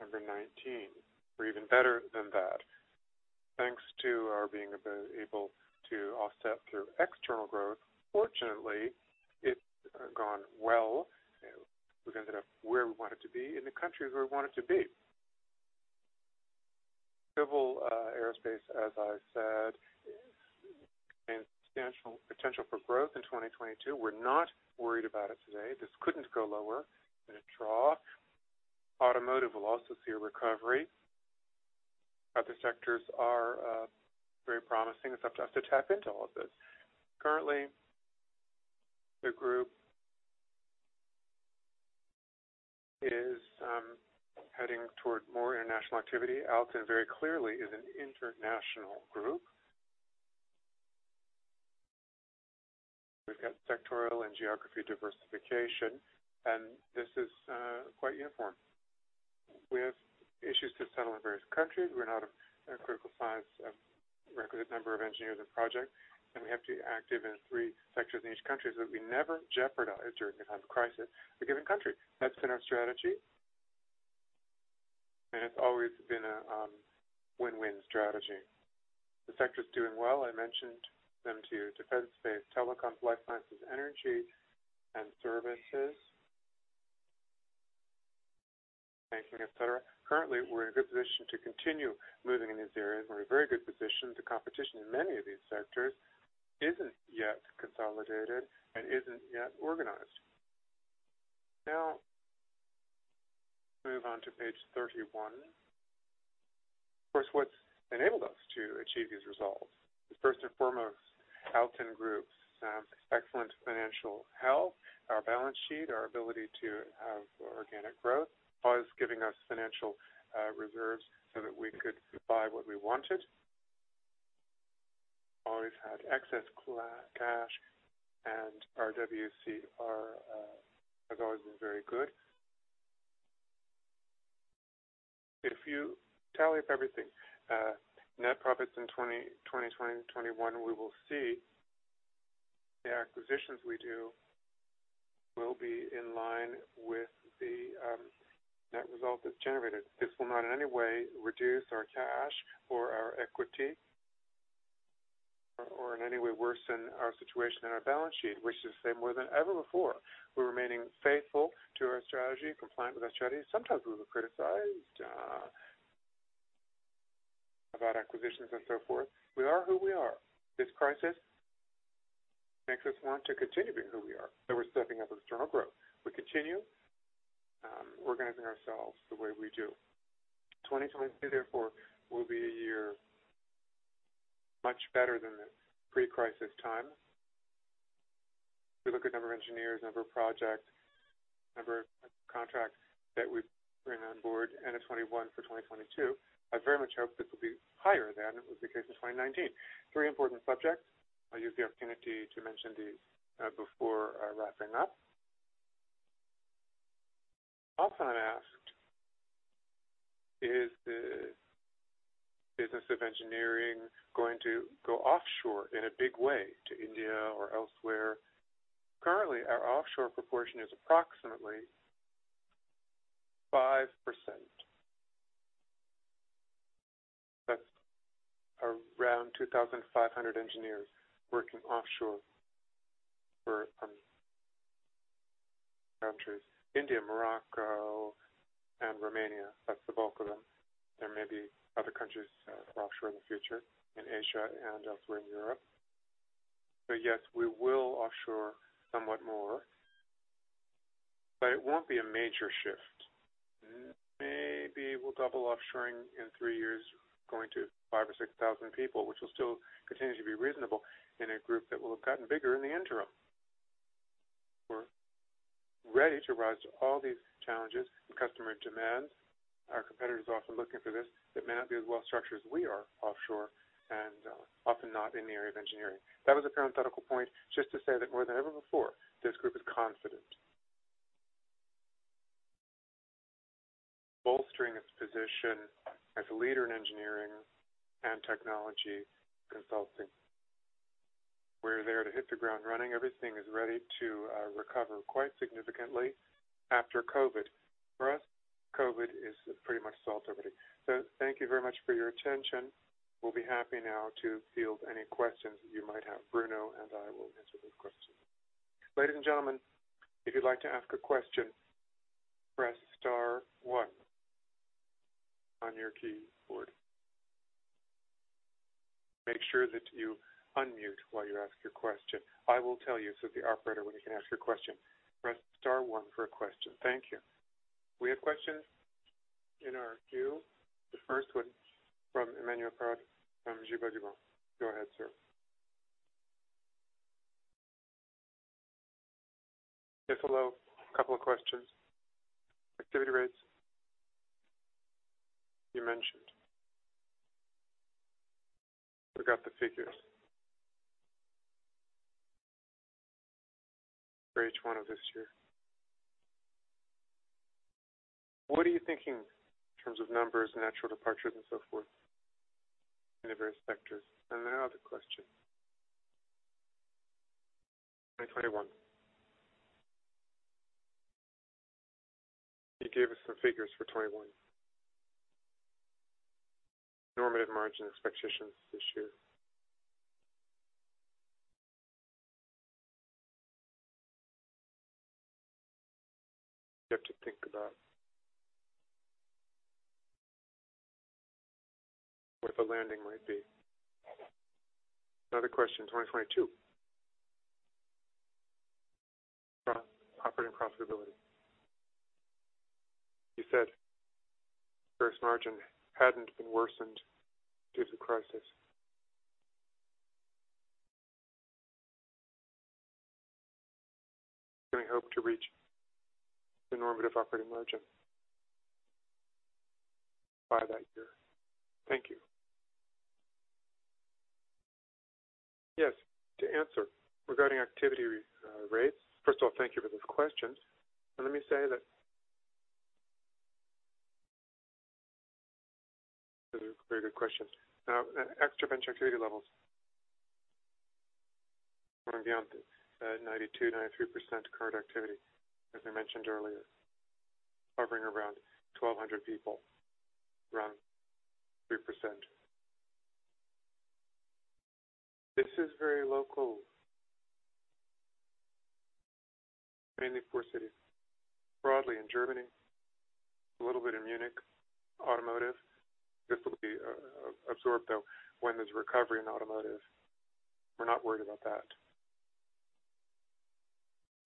November 2019, or even better than that. Thanks to our being able to offset through external growth. Fortunately, it's gone well. We've ended up where we wanted to be in the countries where we wanted to be. Civil aerospace, as I said, potential for growth in 2022. We're not worried about it today. This couldn't go lower than a trough. Automotive will also see a recovery. Other sectors are very promising. It's up to us to tap into all of this. Currently, the group is heading toward more international activity. Alten very clearly is an international group. We've got sectoral and geography diversification. This is quite uniform. We have issues to settle in various countries. We're not of a critical size, requisite number of engineers and project, and we have to be active in three sectors in each country, but we never jeopardize, during a time of crisis, a given country. That's been our strategy. It's always been a win-win strategy. The sector is doing well. I mentioned them to you. Defense, space, telecoms, life sciences, energy and services, banking, et cetera. Currently, we're in a good position to continue moving in these areas. We're in a very good position. The competition in many of these sectors isn't yet consolidated and isn't yet organized. Move on to page 31. Of course, what's enabled us to achieve these results is first and foremost, Alten Group's excellent financial health, our balance sheet, our ability to have organic growth, plus giving us financial reserves so that we could buy what we wanted. Always had excess cash, and our WCR has always been very good. If you tally up everything, net profits in 2020 and 2021, we will see the acquisitions we do will be in line with the net result that's generated. This will not in any way reduce our cash or our equity or in any way worsen our situation and our balance sheet. We should say more than ever before, we're remaining faithful to our strategy, compliant with our strategy. Sometimes we were criticized about acquisitions and so forth. We are who we are. This crisis makes us want to continue being who we are. We're stepping up external growth. We continue organizing ourselves the way we do. 2022, therefore, will be a year much better than the pre-crisis time. We look at number of engineers, number of projects, number of contracts that we bring on board, end of 2021 for 2022. I very much hope this will be higher than it was the case in 2019. Three important subjects. I'll use the opportunity to mention these before wrapping up. When asked, is the business of engineering going to go offshore in a big way to India or elsewhere? Currently, our offshore proportion is approximately 5%. That is around 2,500 engineers working offshore for countries, India, Morocco, and Romania. That is the bulk of them. There may be other countries offshore in the future, in Asia and elsewhere in Europe. Yes, we will offshore somewhat more, but it won't be a major shift. Maybe we will double offshoring in three years, going to 5,000 people or 6,000 people, which will still continue to be reasonable in a group that will have gotten bigger in the interim. We are ready to rise to all these challenges and customer demands. Our competitors are often looking for this, that may not be as well structured as we are offshore and often not in the area of engineering. That was a parenthetical point just to say that more than ever before, this group is confident. Bolstering its position as a leader in engineering and technology consulting. We're there to hit the ground running. Everything is ready to recover quite significantly after COVID. For us, COVID is pretty much solved already. Thank you very much for your attention. We'll be happy now to field any questions that you might have. Bruno and I will answer those questions. Ladies and gentlemen, if you'd like to ask a question, press star one on your keyboard. Make sure that you unmute while you ask your question. I will tell you, the operator, when you can ask your question. Press star one for a question. Thank you. We have questions in our queue. The first one from Emmanuel Cadat from Gilbert Dupont. Go ahead, sir. Yes, hello. A couple of questions. Activity rates. You mentioned. We got the figures for H1 of this year. What are you thinking in terms of numbers, natural departures and so forth in the various sectors? Another question. 2021. You gave us some figures for 2021. Normative margin expectations this year. You have to think about what the landing might be. Another question, 2022. From operating profitability. You said various margin hadn't been worsened due to crisis. Do we hope to reach the normative operating margin by that year? Thank you. Yes. To answer regarding activity rates. First of all, thank you for those questions. Let me say that those are very good questions. Extra bench activity levels at 92%-93% current activity, as I mentioned earlier, hovering around 1,200 people, around 3%. This is very local, mainly four cities, broadly in Germany, a little bit in Munich, automotive. This will be absorbed, though, when there's recovery in automotive. We're not worried about that.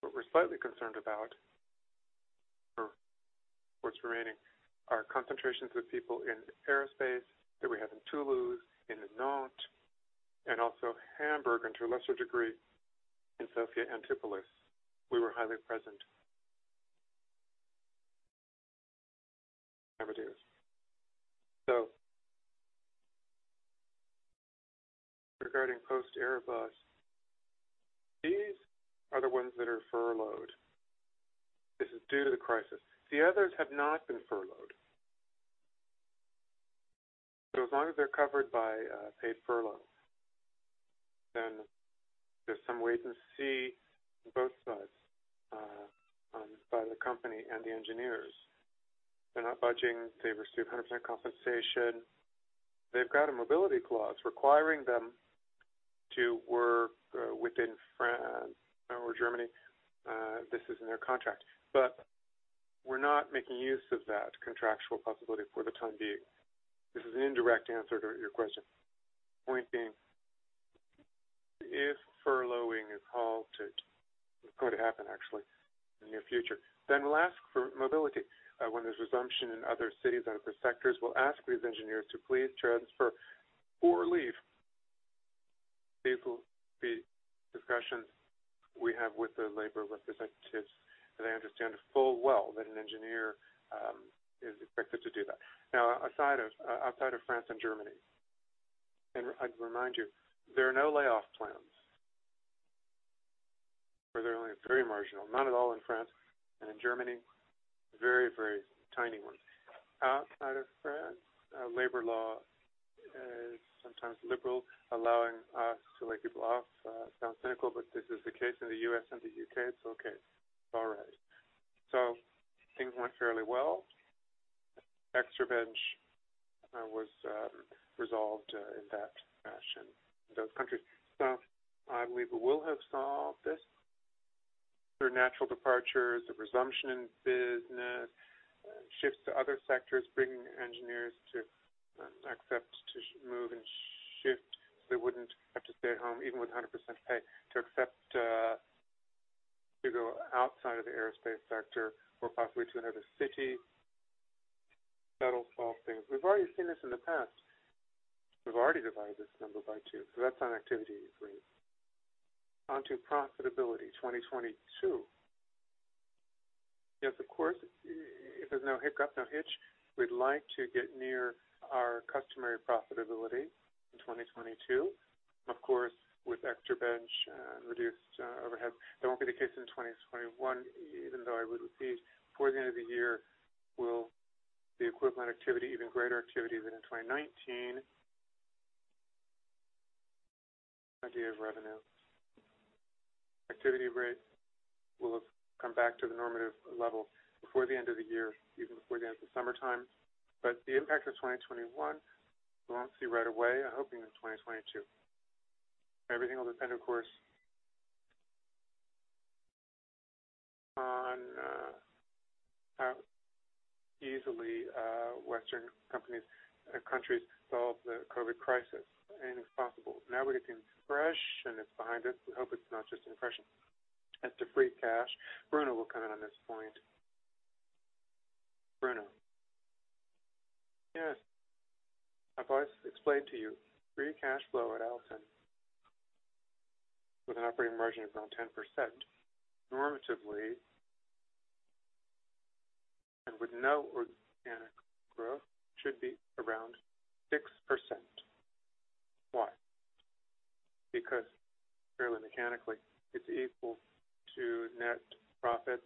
What we're slightly concerned about for what's remaining are concentrations of people in aerospace that we have in Toulouse, in Nantes, and also Hamburg, and to a lesser degree, in Sophia Antipolis. We were highly present. Regarding post-Airbus, these are the ones that are furloughed. This is due to the crisis. The others have not been furloughed. As long as they're covered by paid furlough, then there's some wait and see on both sides, by the company and the engineers. They're not budging. They receive 100% compensation. They've got a mobility clause requiring them to work within France or Germany. This is in their contract. We're not making use of that contractual possibility for the time being. This is an indirect answer to your question. Point being, if furloughing is halted, it's going to happen actually in the near future, we'll ask for mobility. When there's resumption in other cities and other sectors, we'll ask these engineers to please transfer or leave. These will be discussions we have with the labor representatives, and they understand full well that an engineer is expected to do that. Now, outside of France and Germany, and I'd remind you, there are no layoff plans, or they're only very marginal. None at all in France, and in Germany, very, very tiny ones. Outside of France, labor law is sometimes liberal, allowing us to lay people off. It sounds cynical, but this is the case in the U.S. and the U.K. It's okay. It's all right. Things went fairly well. Extra bench was resolved in that fashion in those countries. I believe we will have solved this through natural departures, a resumption in business, shifts to other sectors, bringing engineers to accept to move and shift, so they wouldn't have to stay at home, even with 100% pay, to accept to go outside of the aerospace sector or possibly to another city. That'll solve things. We've already seen this in the past. We've already divided this number by two. That's on activity rate. On to profitability 2022. Yes, of course, if there's no hiccup, no hitch, we'd like to get near our customary profitability in 2022. Of course, with extra bench and reduced overhead. That won't be the case in 2021, even though I would repeat, before the end of the year will the equivalent activity, even greater activity than in 2019, idea of revenue. Activity rate will have come back to the normative level before the end of the year, even before the end of the summertime. The impact of 2021, we won't see right away. I'm hoping in 2022. Everything will depend, of course, on how easily Western countries solve the COVID crisis. Anything's possible. The narrative seems fresh, and it's behind us. We hope it's not just impression. As to free cash, Bruno will comment on this point. Bruno. Yes. I've always explained to you, free cash flow at Alten, with an operating margin of around 10%, normatively and with no organic growth, should be around 6%. Why? Fairly mechanically, it's equal to net profit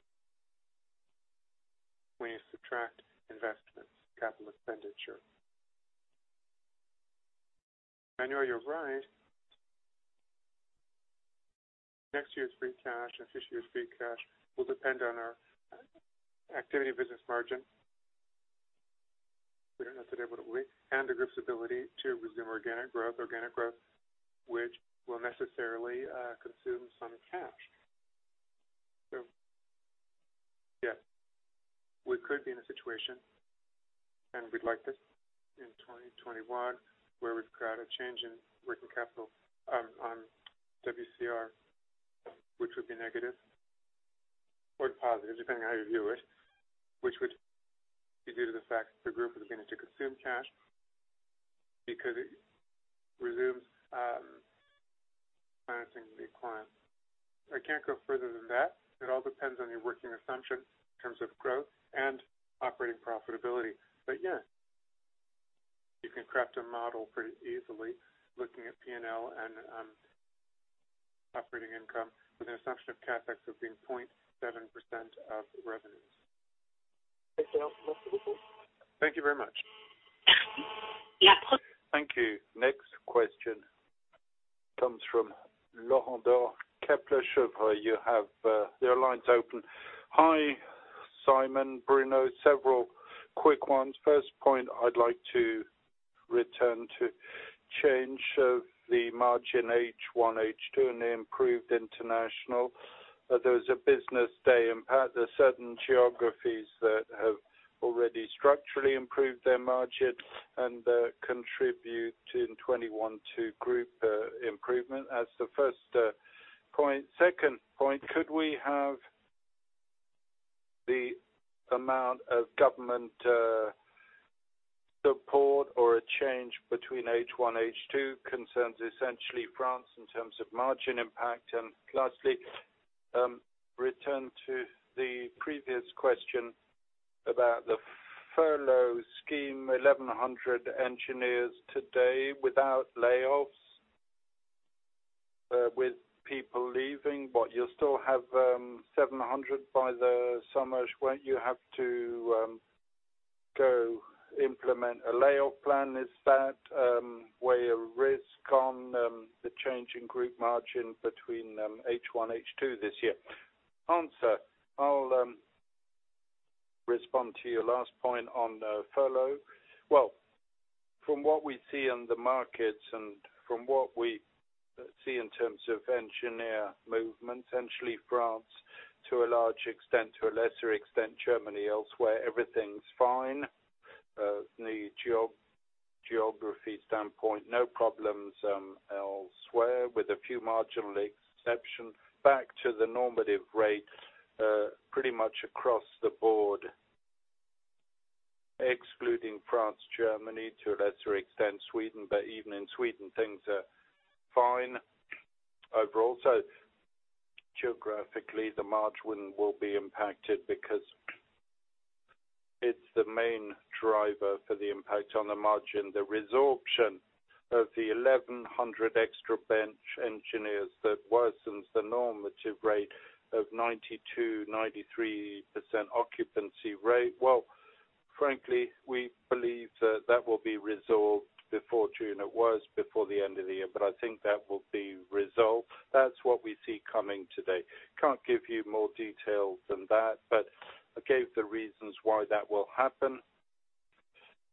when you subtract investments, capital expenditure. I know you're right. Next year's free cash and future year's free cash will depend on our activity business margin. We don't know today what it will be, the group's ability to resume organic growth, which will necessarily consume some cash. Yes, we could be in a situation, and we'd like this in 2021, where we've got a change in working capital on WCR, which would be negative or positive, depending on how you view it, which would be due to the fact that the group is beginning to consume cash because it resumes financing new clients. I can't go further than that. It all depends on your working assumption in terms of growth and operating profitability. Yeah, you can craft a model pretty easily looking at P&L and operating income with an assumption of CapEx as being 0.7% of revenues. Excellent. Thank you very much. Thank you. Next question comes from Laurent Daure, Kepler Cheuvreux. Your line's open. Hi, Simon, Bruno. Several quick ones. First point I'd like to return to change of the margin H1, H2 and the improved international. There was a business day impact. There are certain geographies that have already structurally improved their margin and contribute in 2021 to group improvement. That's the first point. Second point, could we have the amount of government support or a change between H1, H2 concerns, essentially France in terms of margin impact? Lastly, return to the previous question about the furlough scheme, 1,100 engineers today without layoffs, with people leaving. You'll still have 700 by the summer. Won't you have to go implement a layoff plan? Is that way a risk on the change in group margin between H1, H2 this year? I'll respond to your last point on furlough. Well, from what we see in the markets and from what we see in terms of engineer movement, essentially France to a large extent, to a lesser extent, Germany, elsewhere, everything's fine. From the geography standpoint, no problems elsewhere, with a few marginal exceptions. Back to the normative rate pretty much across the board, excluding France, Germany, to a lesser extent Sweden, but even in Sweden, things are fine overall. Geographically, the margin will be impacted because it's the main driver for the impact on the margin. The resorption of the 1,100 extra bench engineers that worsens the normative rate of 92%, 93% occupancy rate. Well, frankly, we believe that that will be resolved before June. It was before the end of the year, but I think that will be resolved. That's what we see coming today. Can't give you more detail than that, but I gave the reasons why that will happen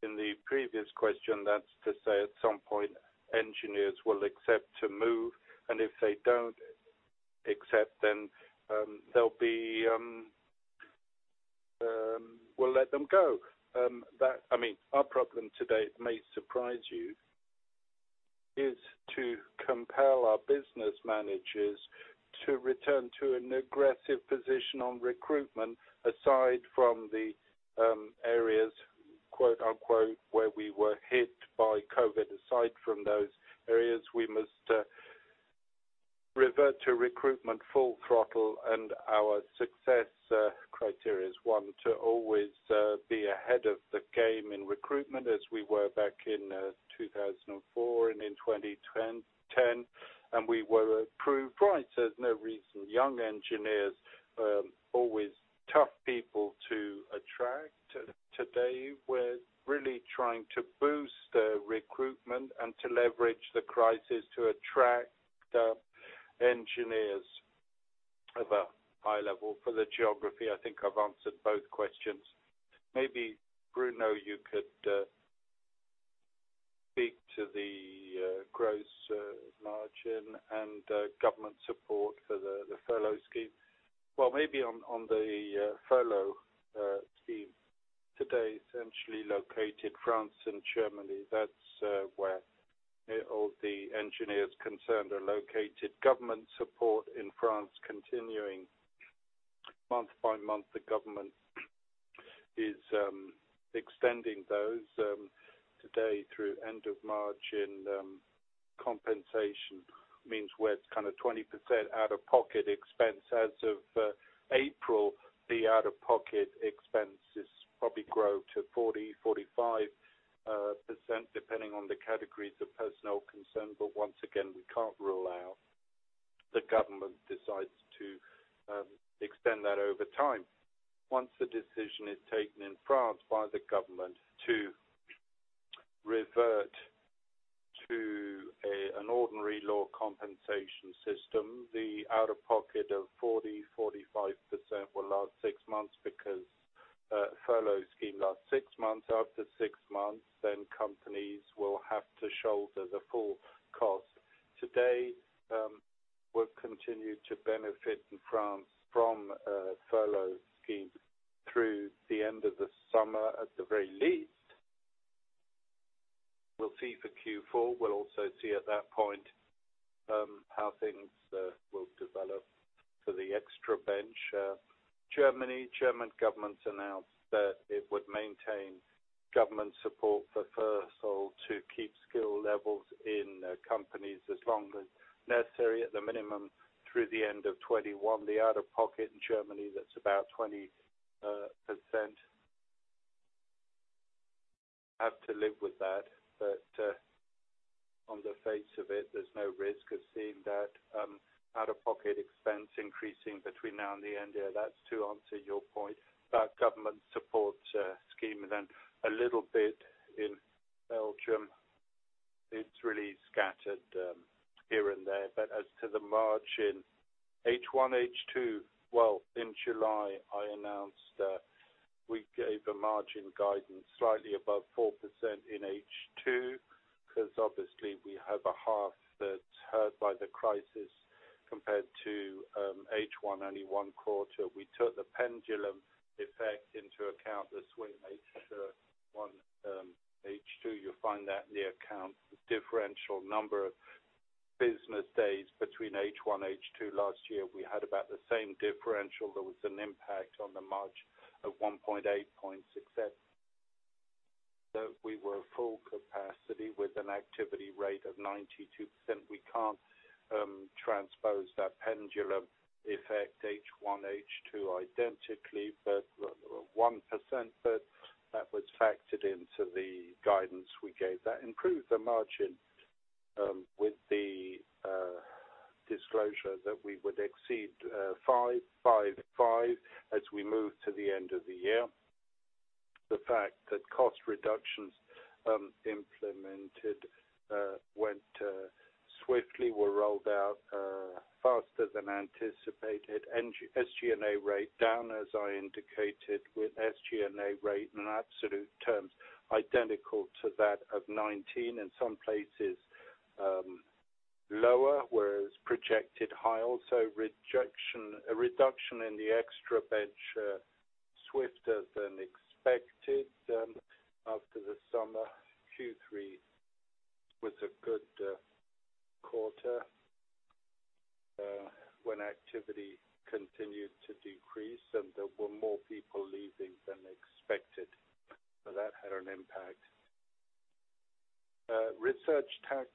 in the previous question. That's to say, at some point, engineers will accept to move, and if they don't accept, then we'll let them go. Our problem today, it may surprise you, is to compel our business managers to return to an aggressive position on recruitment, aside from the areas, quote-unquote, where we were hit by COVID. Aside from those areas, we must revert to recruitment full throttle, and our success criteria is, one, to always be ahead of the game in recruitment as we were back in 2004 and in 2010, and we were proved right. There's no reason. Young engineers are always tough people to attract. Today, we're really trying to boost recruitment and to leverage the crisis to attract engineers of a high level for the geography. I think I've answered both questions. Maybe, Bruno, you could speak to the gross margin and government support for the furlough scheme. Well, maybe on the furlough scheme. Today, essentially located France and Germany, that's where all the engineers concerned are located. Government support in France continuing month by month. The government is extending those today through end of March, compensation means where it's kind of 20% out-of-pocket expense. As of April, the out-of-pocket expenses probably grow to 40%, 45%, depending on the categories of personnel concerned. Once again, we can't rule out the government decides to extend that over time. Once the decision is taken in France by the government to revert to an ordinary law compensation system, the out-of-pocket of 40%, 45% will last six months because the furlough scheme lasts six months. After six months, companies will have to shoulder the full cost. Today, we'll continue to benefit in France from a furlough scheme through the end of the summer, at the very least. We'll see for Q4. We'll also see at that point how things will develop for the extra bench. Germany, German government announced that it would maintain government support for furlough to keep skill levels in companies as long as necessary, at the minimum through the end of 2021. The out-of-pocket in Germany, that's about 20%. Have to live with that. On the face of it, there's no risk of seeing that out-of-pocket expense increasing between now and the end year. That's to answer your point about government support scheme and then a little bit in Belgium. It's really scattered here and there. As to the margin H1, H2. In July, I announced that we gave a margin guidance slightly above 4% in H2 because obviously we have a half that's hurt by the crisis compared to H1, only one quarter. We took the pendulum effect into account this way, H1, H2, you'll find that in the account, the differential number of business days between H1, H2 last year. We had about the same differential. There was an impact on the margin of 1.8 points. That we were full capacity with an activity rate of 92%. We can't transpose that pendulum effect H1, H2 identically, but 1%, but that was factored into the guidance we gave. That improved the margin with the disclosure that we would exceed 5% as we move to the end of the year. The fact that cost reductions implemented went swiftly, were rolled out faster than anticipated. SG&A rate down, as I indicated, with SG&A rate in absolute terms, identical to that of 2019, in some places lower, whereas projected high. A reduction in the extra bench swifter than expected after the summer. Q3 was a good quarter when activity continued to decrease, and there were more people leaving than expected. That had an impact. research tax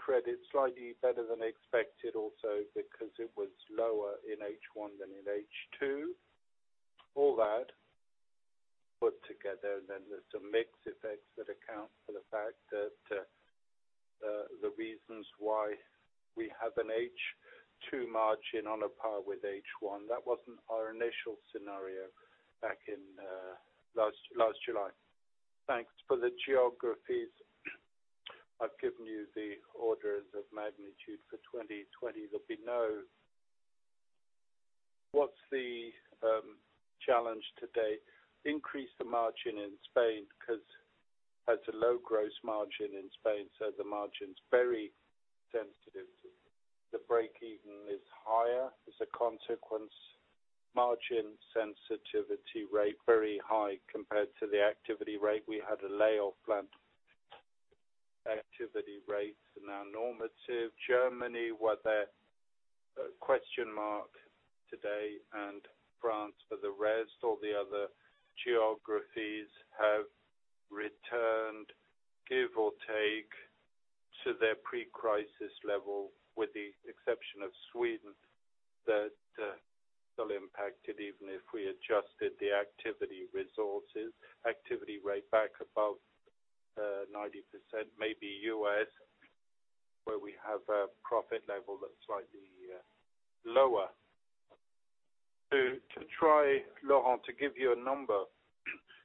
credit, slightly better than expected also because it was lower in H1 than in H2. All that put together, there's some mix effects that account for the fact that the reasons why we have an H2 margin on a par with H1. That wasn't our initial scenario back in last July. Thanks for the geographies. I've given you the orders of magnitude for 2020 that we know. What's the challenge today? Increase the margin in Spain because has a low gross margin in Spain, so the margin is very sensitive to the break-even is higher as a consequence. Margin sensitivity rate very high compared to the activity rate. We had a layoff plan. Activity rates are now normative. Germany were the question mark today and France for the rest. All the other geographies have returned, give or take, to their pre-crisis level, with the exception of Sweden that still impacted even if we adjusted the activity resources. Activity rate back above 90%, maybe U.S., where we have a profit level that is slightly lower. To try, Laurent, to give you a number,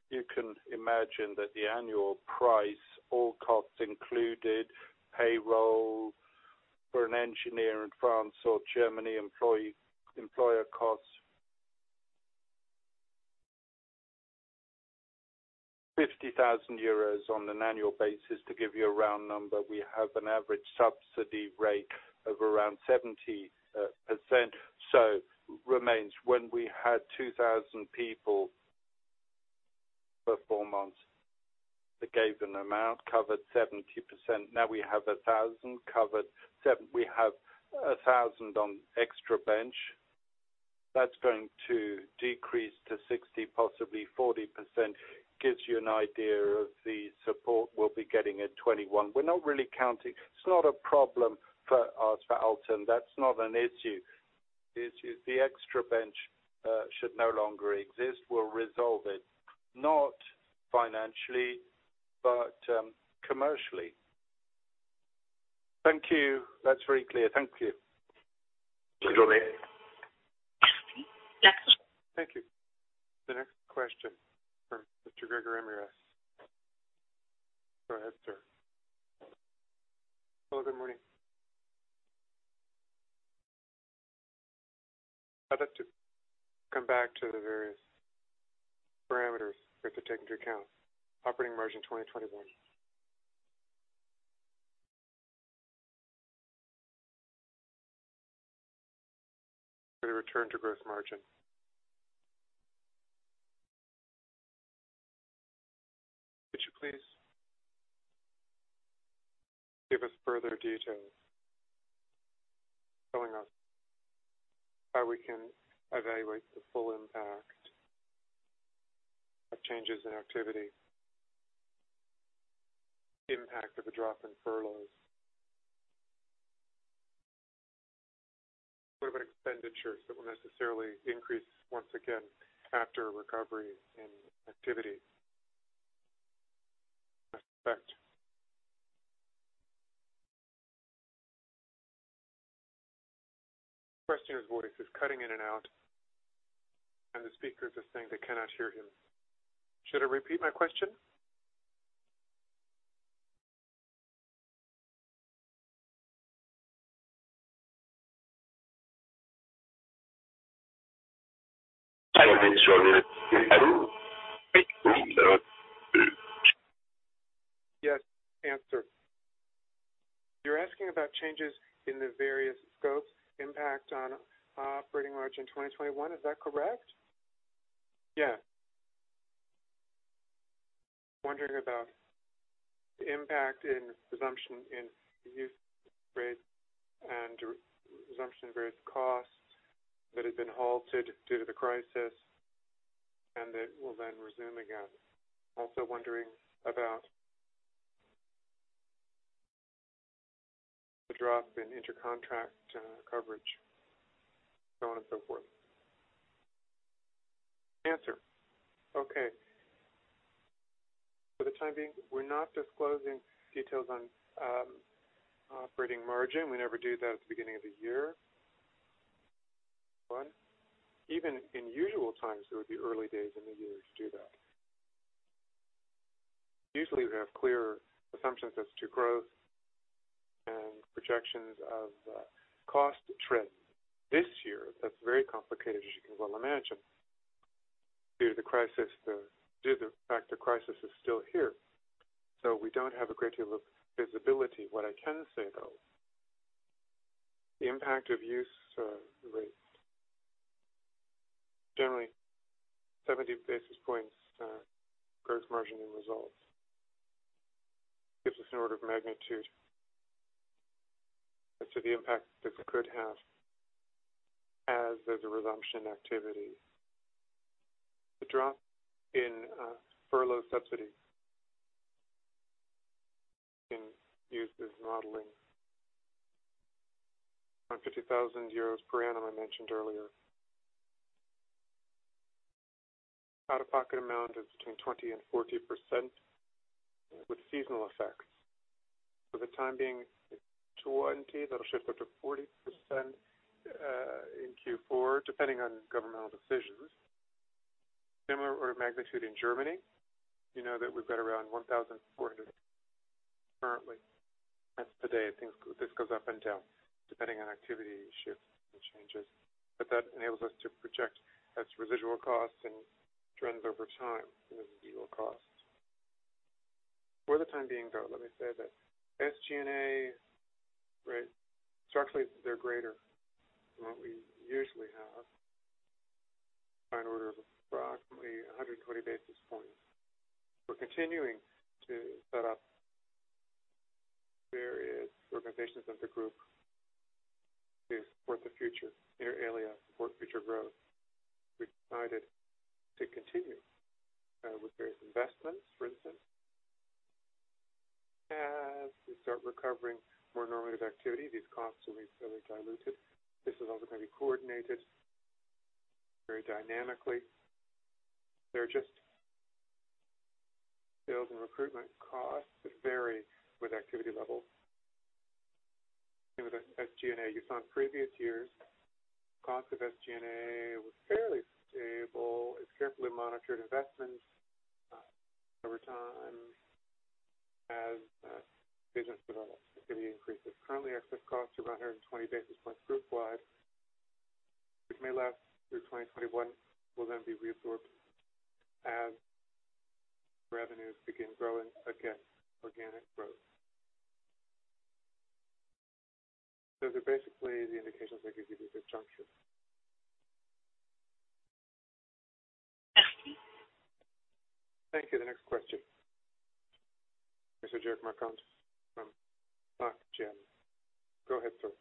you can imagine that the annual price, all costs included, payroll for an engineer in France or Germany, employer costs 50,000 euros on an annual basis to give you a round number. We have an average subsidy rate of around 70%, remains when we had 2,000 people for four months that gave an amount, covered 70%. Now we have 1,000 on extra bench. That's going to decrease to 60%, possibly 40%. Gives you an idea of the support we'll be getting at 2021. We're not really counting. It's not a problem for us, for Alten. That's not an issue. The extra bench should no longer exist. We'll resolve it not financially but commercially. Thank you. That's very clear. Thank you. Thank you. The next question from Mr. Gregory Ramirez. Go ahead, sir. Hello, good morning. I'd like to come back to the various parameters that you're taking into account. Operating margin 2021. For the return to growth margin. Could you please give us further details telling us how we can evaluate the full impact of changes in activity, impact of the drop in furloughs, expenditures that will necessarily increase once again after recovery in activity? I suspect. Should I repeat my question? I don't think so. Yes. You're asking about changes in the various scopes impact on operating margin in 2021. Is that correct? Yes. Wondering about the impact in resumption in use rate and resumption of various costs that had been halted due to the crisis and that will then resume again. Also wondering about the drop in inter contract coverage, so on and so forth. Okay. For the time being, we're not disclosing details on operating margin. We never do that at the beginning of the year. One, even in usual times, it would be early days in the year to do that. Usually, we have clear assumptions as to growth and projections of cost trends. This year, that's very complicated, as you can well imagine, due to the fact the crisis is still here. We don't have a great deal of visibility. What I can say, though, the impact of use rate, generally 70 basis points gross margin in results, gives us an order of magnitude as to the impact this could have as there's a resumption activity. The drop in furlough subsidy can use this modeling. Around 50,000 euros per annum, I mentioned earlier. Out-of-pocket amount is between 20%-40% with seasonal effects. For the time being, it's 20%, that'll shift up to 40% in Q4, depending on governmental decisions. Similar order of magnitude in Germany. You know that we've got around 1,400 currently. That's today. This goes up and down depending on activity shifts and changes. That enables us to project as residual costs and trends over time in the legal costs. For the time being, though, let me say that SG&A rate, structurally, they're greater than what we usually have by an order of approximately 120 basis points. We're continuing to set up various organizations of the group to support the future, inter alia, support future growth. We've decided to continue with various investments, for instance. As we start recovering more normative activity, these costs will be fairly diluted. This is also going to be coordinated very dynamically. They're just sales and recruitment costs that vary with activity levels. Same with SG&A. You saw in previous years, cost of SG&A was fairly stable. It's carefully monitored investments over time as business develops, activity increases. Currently, excess costs are 120 basis points group wide, which may last through 2021, will then be reabsorbed as revenues begin growing again, organic growth. Those are basically the indications I could give you at this juncture. Thank you. Thank you. The next question. This is Eric Marcon from ODDO BHF. Go ahead, sir.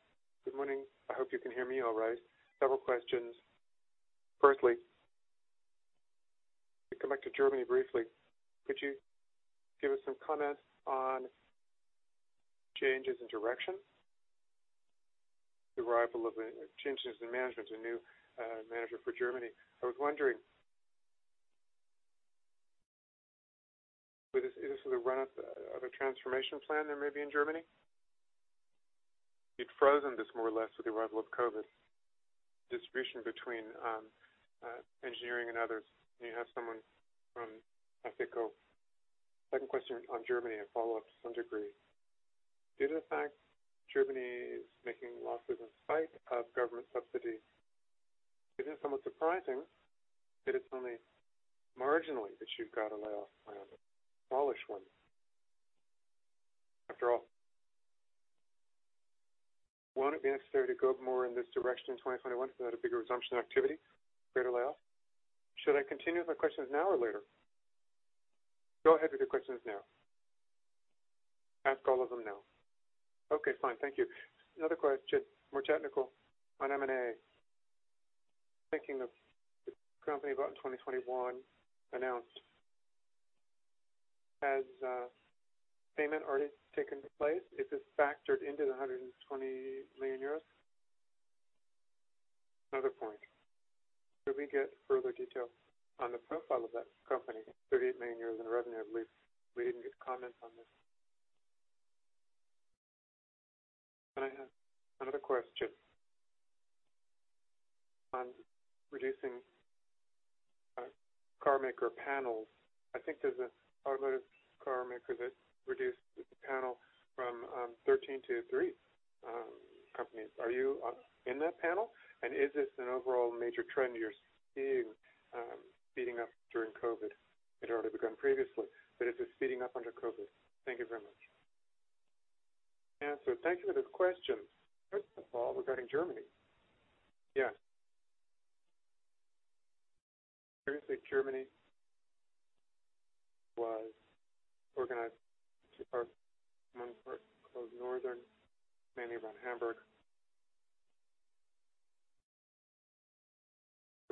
Good morning. I hope you can hear me all right. Several questions. Firstly, to come back to Germany briefly, could you give us some comments on changes in direction, the arrival of changes in management, a new manager for Germany. I was wondering, is this the run up of a transformation plan there may be in Germany? You'd frozen this more or less with the arrival of COVID, distribution between engineering and others. You have someone from Adecco. Second question on Germany, a follow-up to some degree. Due to the fact Germany is making losses in spite of government subsidy, isn't it somewhat surprising that it's only marginally that you've got a layoff plan, a partial one? After all, won't it be necessary to go more in this direction in 2021 without a bigger resumption activity, greater layoff? Should I continue with my questions now or later? Go ahead with your questions now. Ask all of them now. Okay, fine. Thank you. Another question, more technical, on M&A. Thinking of the company about 2021 announced has payment already taken place? Is this factored into the 120 million euros? Another point, could we get further detail on the profile of that company? 38 million EUR in revenue at least. We didn't get comments on this. I have another question on reducing car maker panels. I think there's an automotive car maker that reduced its panel from 13 to three companies. Are you in that panel? Is this an overall major trend you're seeing speeding up during COVID? It had already begun previously, is this speeding up under COVID? Thank you very much. Thank you for this question. First of all, regarding Germany. Yes. Previously, Germany was organized into two parts. One part called Northern, mainly around Hamburg.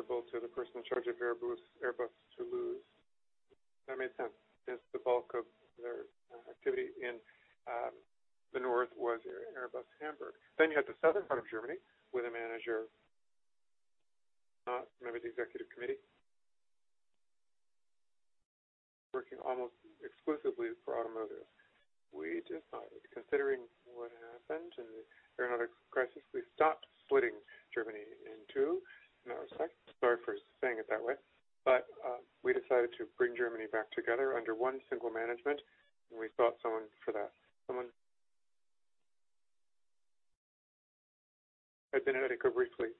Report to the person in charge of Airbus, Toulouse. That made sense, since the bulk of their activity in the north was Airbus Hamburg. You had the southern part of Germany with a manager, not a member of the executive committee, working almost exclusively for automotive. We decided, considering what happened in the aeronautics crisis, we stopped splitting Germany in two. In that respect, sorry for saying it that way, we decided to bring Germany back together under one single management, we sought someone for that. Someone had been at Adecco briefly,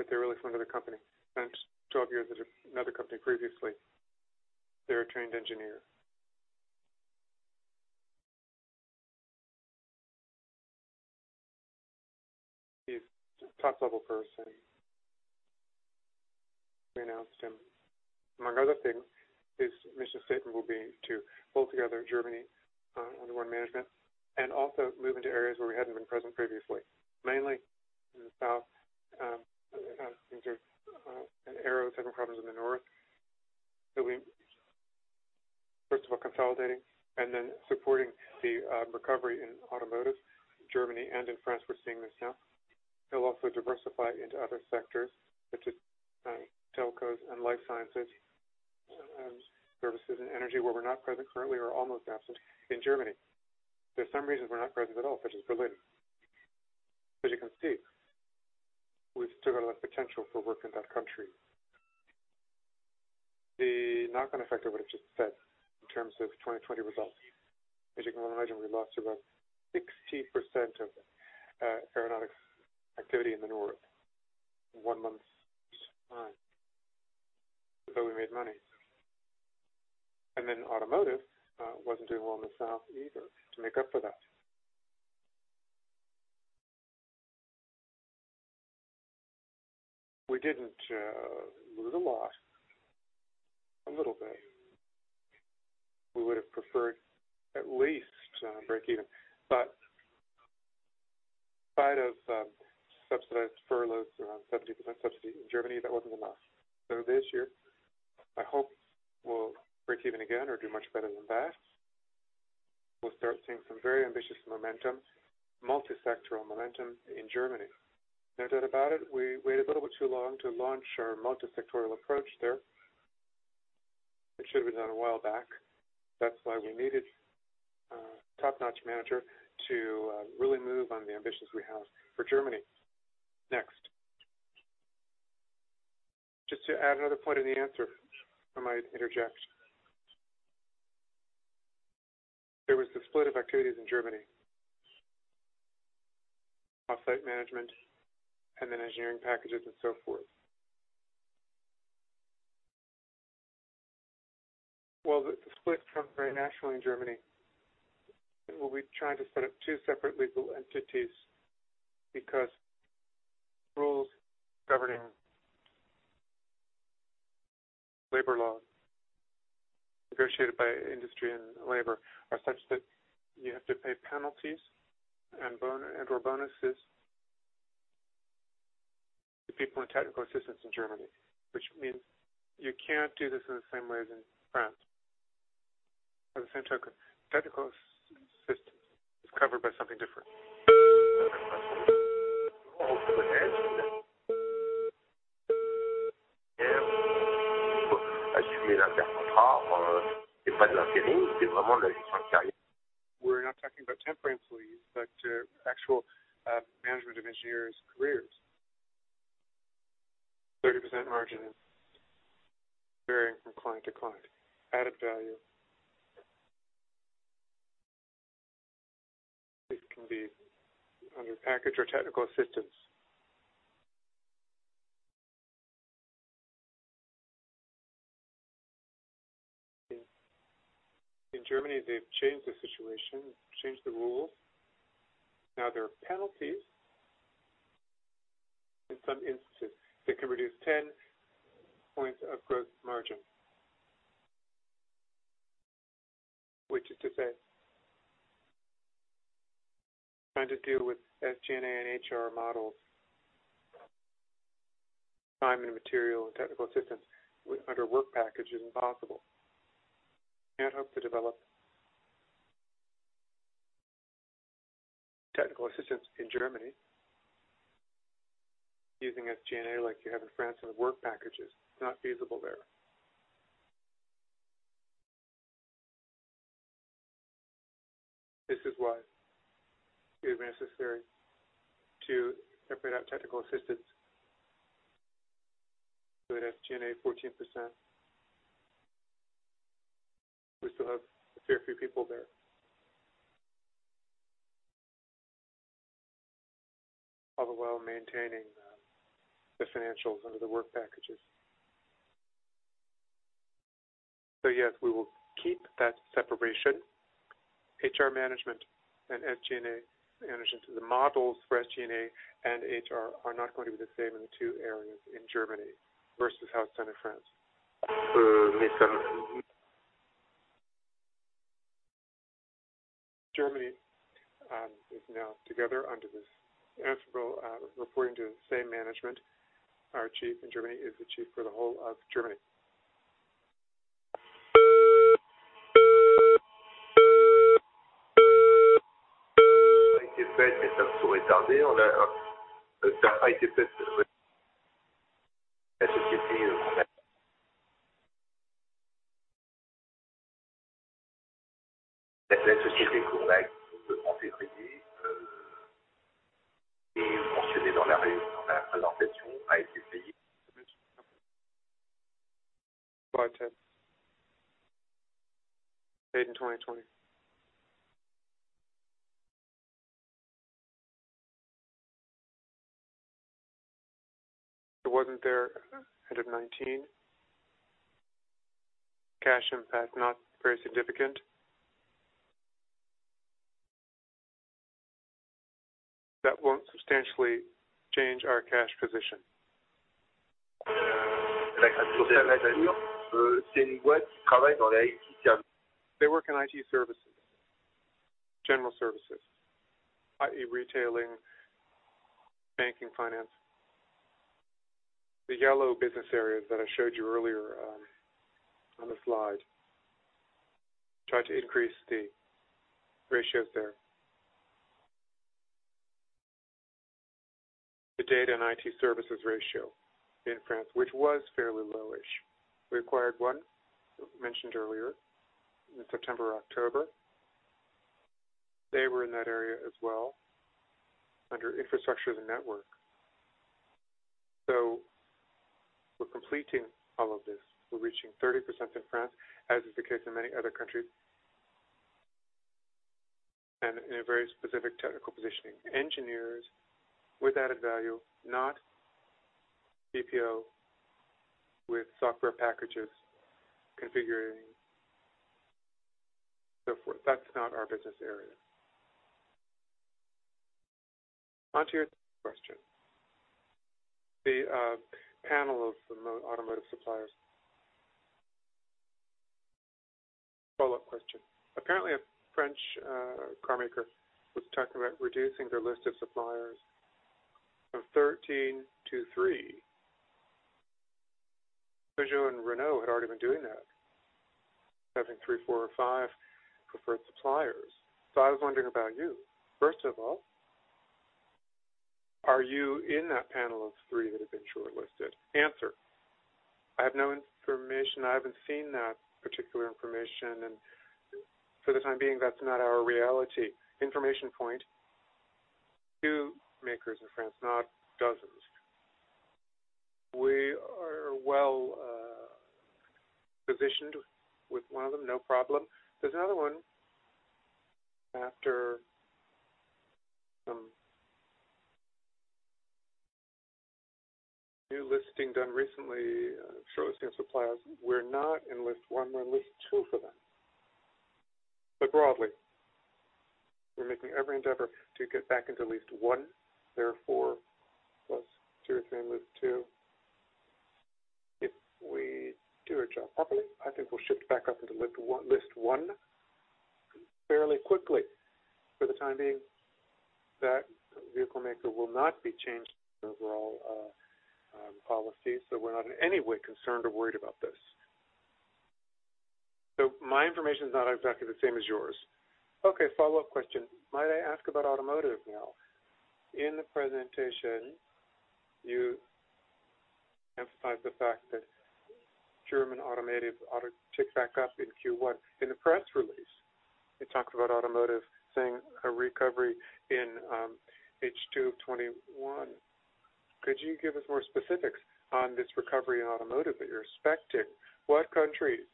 they're really from another company, spent 12 years at another company previously. They're a trained engineer. He's a top-level person. We announced him. Among other things, his mission statement will be to pull together Germany under one management also move into areas where we hadn't been present previously. Mainly in the south, into aeros having problems in the north. We, first of all, consolidating and then supporting the recovery in automotive, Germany and in France, we're seeing this now. They'll also diversify into other sectors such as telcos and life sciences services and energy, where we're not present currently or almost absent in Germany. There's some reasons we're not present at all, such as Berlin. As you can see, we've still got a lot of potential for work in that country. The knock-on effect of what I just said in terms of 2020 results, as you can imagine, we lost about 60% of aeronautics activity in the north in one month's time. We made money. Automotive wasn't doing well in the south either to make up for that. We didn't lose a lot, a little bit. We would have preferred at least to break even. In spite of subsidized furloughs, around 70% subsidy in Germany, that wasn't enough. This year, I hope we'll break even again or do much better than that. We'll start seeing some very ambitious momentum, multi-sectoral momentum in Germany. No doubt about it, we waited a little bit too long to launch our multi-sectoral approach there. It should have been done a while back. That's why we needed a top-notch manager to really move on the ambitions we have for Germany. Next. Just to add another point in the answer, I might interject. There was the split of activities in Germany. Offsite management and then engineering packages and so forth. Well, the split from very naturally in Germany, we'll be trying to set up two separate legal entities because rules governing labor laws negotiated by industry and labor are such that you have to pay penalties and/or bonuses to people in technical assistance in Germany, which means you can't do this in the same way as in France. By the same token, technical assistance is covered by something different. We're not talking about temporary employees, but actual management of engineers' careers. 30% margin varying from client to client. Added value. This can be under package or technical assistance. In Germany, they've changed the situation, changed the rules. Now there are penalties in some instances that can reduce 10 points of gross margin. To deal with SG&A and Human Resource models. Time and material and technical assistance under work package isn't possible. Can't hope to develop technical assistance in Germany using SG&A like you have in France on the work packages. It's not feasible there. This is why it is necessary to separate out technical assistance. At SG&A 14%, we still have a fair few people there. All the while maintaining the financials under the work packages. Yes, we will keep that separation. Human Resource management and SG&A management. The models for SG&A and Human Resource are not going to be the same in the two areas, in Germany versus how it's done in France. Germany is now together under this umbrella, reporting to the same management. Our chief in Germany is the chief for the whole of Germany. Slide 10. Paid in 2020. It wasn't there end of 2019. Cash impact not very significant. That won't substantially change our cash position. They work in IT services, general services, i.e., retailing, banking, finance. The yellow business areas that I showed you earlier on the slide. Try to increase the ratios there. The data and IT services ratio in France, which was fairly lowish, required one, mentioned earlier in September, October. They were in that area as well under infrastructure of the network. We're completing all of this. We're reaching 30% in France, as is the case in many other countries. In a very specific technical positioning. Engineers with added value, not BPO with software packages configuring, so forth. That's not our business area. On to your question. The panel of remote automotive suppliers. Follow-up question. Apparently, a French car maker was talking about reducing their list of suppliers from 13 suppliers to three suppliers. Peugeot and Renault had already been doing that, having three, four or five preferred suppliers. I was wondering about you. First of all, are you in that panel of three that have been shortlisted? I have no information. I haven't seen that particular information, for the time being, that's not our reality. Information point, two makers in France, not dozens. We are well-positioned with one of them, no problem. There's another one after some new listing done recently, showcasing suppliers. We're not in list one. We're in list two for them. Broadly, we're making every endeavor to get back into list one. There are four plus, two or three in list two. If we do our job properly, I think we'll shift back up into list one fairly quickly. For the time being, that vehicle maker will not be changing their overall policy. We're not in any way concerned or worried about this. My information is not exactly the same as yours. Okay. Follow-up question. Might I ask about automotive now? In the presentation, you emphasized the fact that German automotive ought to tick back up in Q1. In the press release, it talked about automotive seeing a recovery in H2 2021. Could you give us more specifics on this recovery in automotive that you're expecting? What countries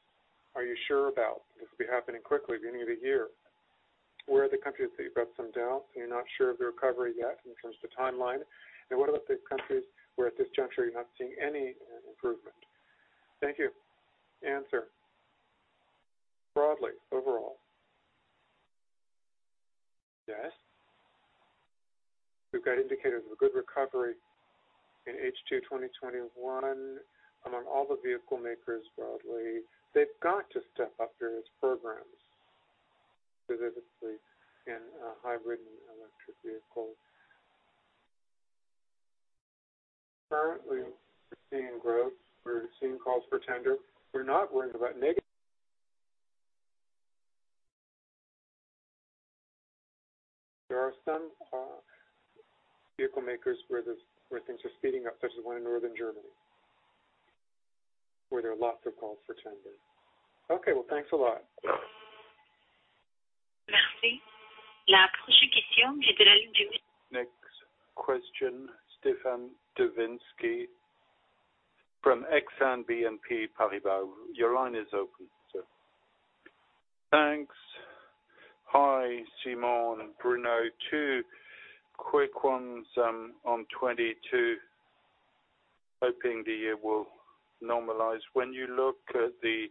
are you sure about this will be happening quickly at the beginning of the year? Where are the countries that you have some doubts and you're not sure of the recovery yet in terms of the timeline? What about the countries where at this juncture, you're not seeing any improvement? Thank you. Broadly, overall, yes, we've got indicators of a good recovery in H2 2021 among all the vehicle makers broadly. They've got to step up their programs, specifically in hybrid and electric vehicles. Currently, we're seeing growth, we're seeing calls for tender. There are some vehicle makers where things are speeding up, such as one in northern Germany, where there are lots of calls for tender. Okay. Well, thanks a lot. Next question, Stéphane D'Enguin from Exane BNP Paribas. Your line is open, sir. Thanks. Hi, Simon and Bruno. Two quick ones on 2022, hoping the year will normalize. When you look at the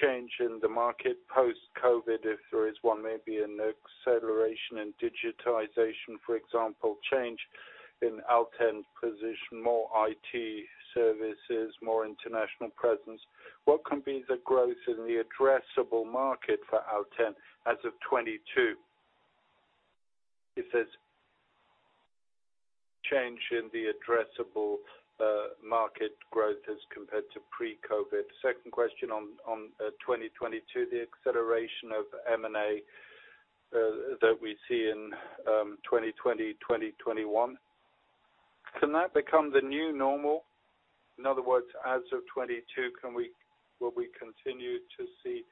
change in the market post-COVID, if there is one, maybe an acceleration in digitization, for example, change in Alten's position, more IT services, more international presence. What can be the growth in the addressable market for Alten as of 2022? If there's change in the addressable market growth as compared to pre-COVID. Second question on 2022, the acceleration of M&A that we see in 2020, 2021, can that become the new normal? In other words, as of 2022, will we continue to see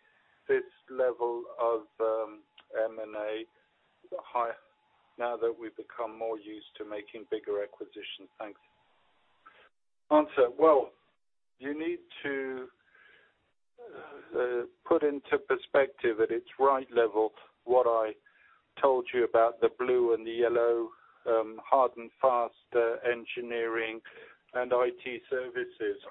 this level of M&A high now that we've become more used to making bigger acquisitions? Thanks. Well, you need to put into perspective at its right level what I told you about the blue and the yellow hard and fast engineering and IT services.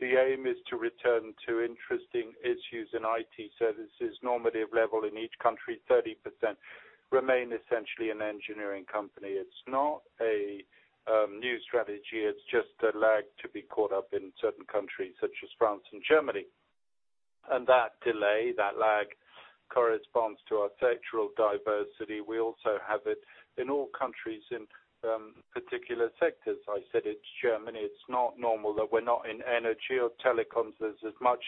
The aim is to return to interesting issues in IT services, normative level in each country, 30% remain essentially an engineering company. It's not a new strategy. It's just a lag to be caught up in certain countries such as France and Germany. That delay, that lag corresponds to our sectoral diversity. We also have it in all countries in particular sectors. I said it's Germany. It's not normal that we're not in energy or telecoms as much.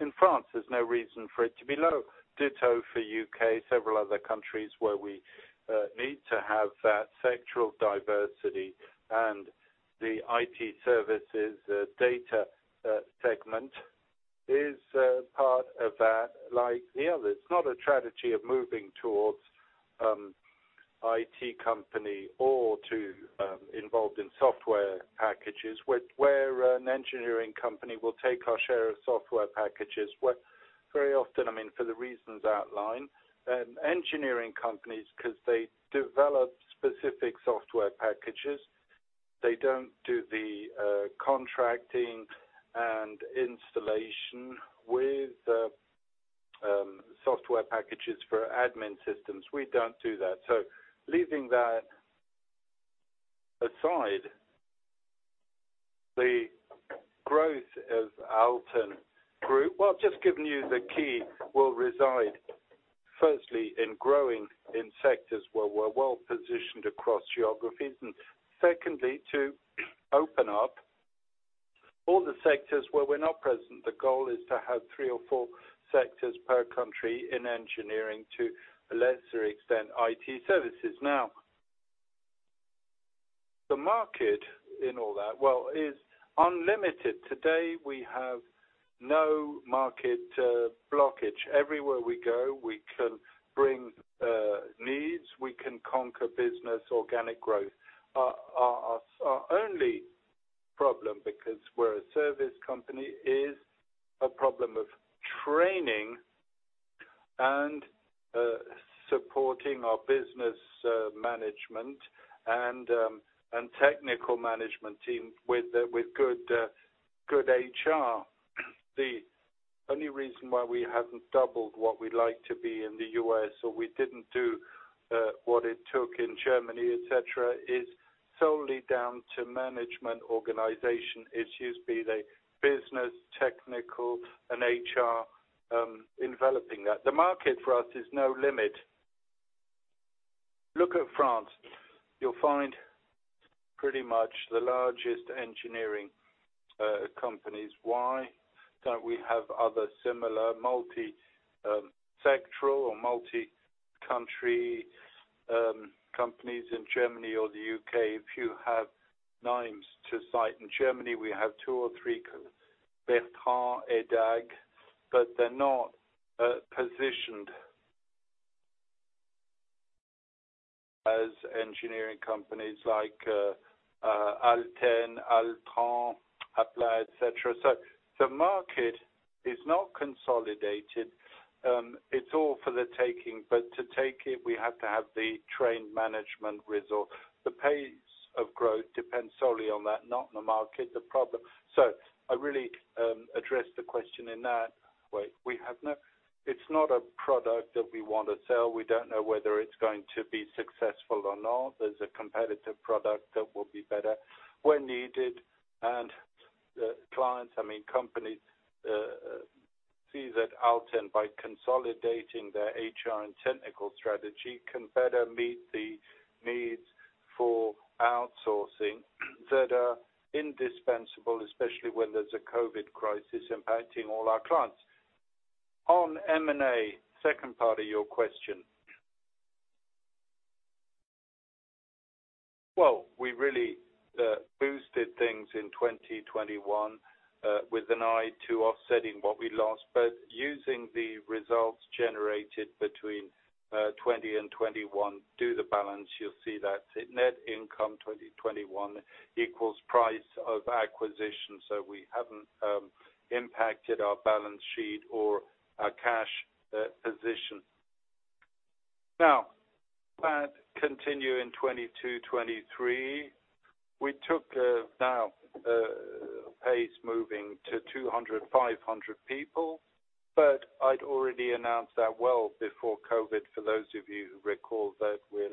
In France, there's no reason for it to be low. Ditto for U.K., several other countries where we need to have that sectoral diversity and the IT services data segment is part of that like the others. It's not a strategy of moving towards IT company or to involved in software packages. We're an engineering company. We'll take our share of software packages. Very often, for the reasons outlined, engineering companies, because they develop specific software packages, they don't do the contracting and installation with software packages for admin systems. We don't do that. leaving that aside, the growth of Alten Group, well, I've just given you the key will reside firstly in growing in sectors where we're well-positioned across geographies. secondly, to open up all the sectors where we're not present. The goal is to have three or four sectors per country in engineering to a lesser extent, IT services. the market in all that, well, is unlimited. Today, we have no market blockage. Everywhere we go, we can bring needs, we can conquer business, organic growth. Our only problem, because we're a service company, is a problem of training and supporting our business management and technical management team with good HR. The only reason why we haven't doubled what we'd like to be in the U.S. or we didn't do what it took in Germany, et cetera, is solely down to management organization issues, be they business, technical, and Human Resource enveloping that. The market for us is no limit. Look at France. You'll find pretty much the largest engineering companies. Why don't we have other similar multi-sectoral or multi-country companies in Germany or the U.K.? If you have names to cite in Germany, we have two or three, Bertrandt, EDAG, but they're not positioned as engineering companies like Alten, Altran, Akka, et cetera. The market is not consolidated. It's all for the taking, but to take it, we have to have the trained management resource. The pay-off growth depends solely on that, not on the market, the problem. I really addressed the question in that way. It's not a product that we want to sell. We don't know whether it's going to be successful or not. There's a competitive product that will be better when needed, and the clients, I mean, companies, see that Alten, by consolidating their HR and technical strategy, can better meet the needs for outsourcing that are indispensable, especially when there's a COVID crisis impacting all our clients. On M&A, second part of your question. Well, we really boosted things in 2021 with an eye to offsetting what we lost, but using the results generated between 2020-2021, do the balance, you'll see that net income 2021 equals price of acquisition. We haven't impacted our balance sheet or our cash position. Now, that continue in 2022, 2023. We took a pace moving to 200 people, 500 people, but I'd already announced that well before COVID, for those of you who recall, that we're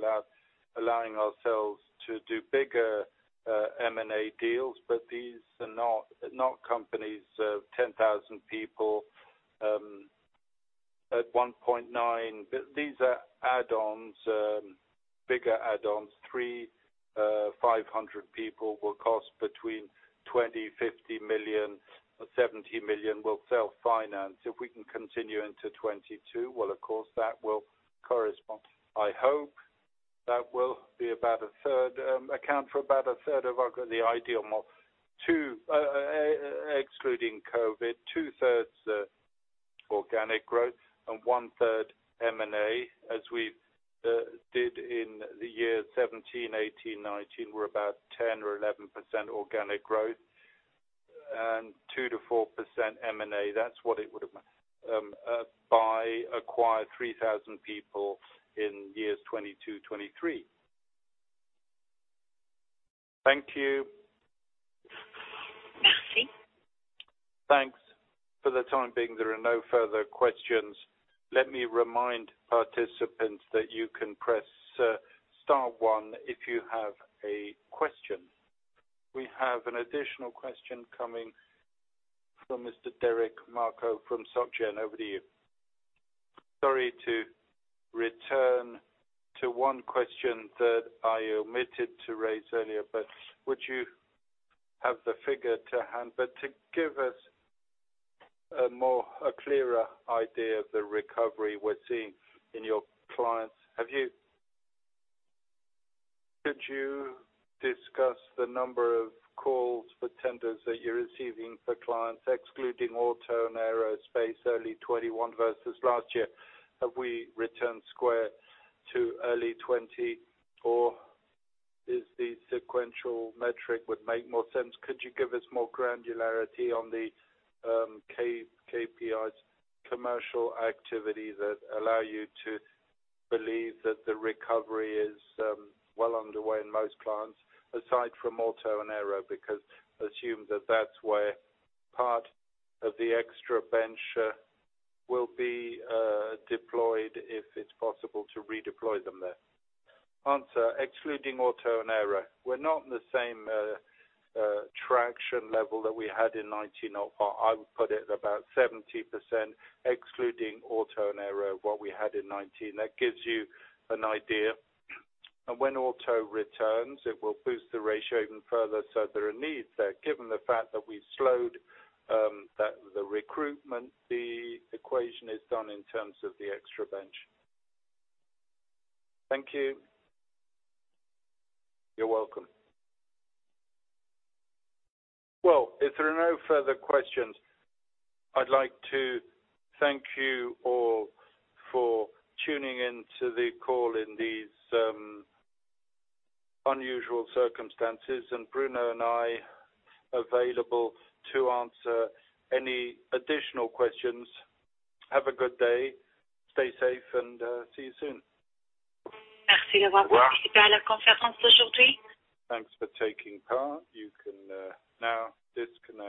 allowing ourselves to do bigger M&A deals. These are not companies of 10,000 people at 1.9%. These are add-ons, bigger add-ons. 300 people, 500 people will cost between 20 million, 50 million, 70 million will self-finance. If we can continue into 2022, well, of course, that will correspond. I hope that will account for about 1/3 of the ideal model. Excluding COVID, 2/3 organic growth and 1/3 M&A as we did in the year 2017, 2018, 2019, were about 10% or 11% organic growth and 2%-4% M&A. That's what it would have meant by acquire 3,000 people in years 2022, 2023. Thank you. Thanks. For the time being, there are no further questions. Let me remind participants that you can press star one if you have a question. We have an additional question coming from Mr. Derric de Marco from Société Générale. Over to you. Sorry to return to one question that I omitted to raise earlier, would you have the figure to hand? To give us a clearer idea of the recovery we're seeing in your clients, could you discuss the number of calls for tenders that you're receiving for clients excluding auto and aerospace early 2021 versus last year? Have we returned square to early 2020, or the sequential metric would make more sense. Could you give us more granularity on the KPIs commercial activity that allow you to believe that the recovery is well underway in most clients, aside from auto and aero? Because assume that that's where part of the extra bench will be deployed if it's possible to redeploy them there. Excluding auto and aero. We're not in the same traction level that we had in 2019. I would put it about 70%, excluding auto and aero, what we had in 2019. That gives you an idea. When auto returns, it will boost the ratio even further. There are needs there, given the fact that we've slowed the recruitment, the equation is done in terms of the extra bench. Thank you. You're welcome. If there are no further questions, I'd like to thank you all for tuning in to the call in these unusual circumstances. Bruno and I available to answer any additional questions. Have a good day. Stay safe, and see you soon. Thanks for taking part. You can now disconnect.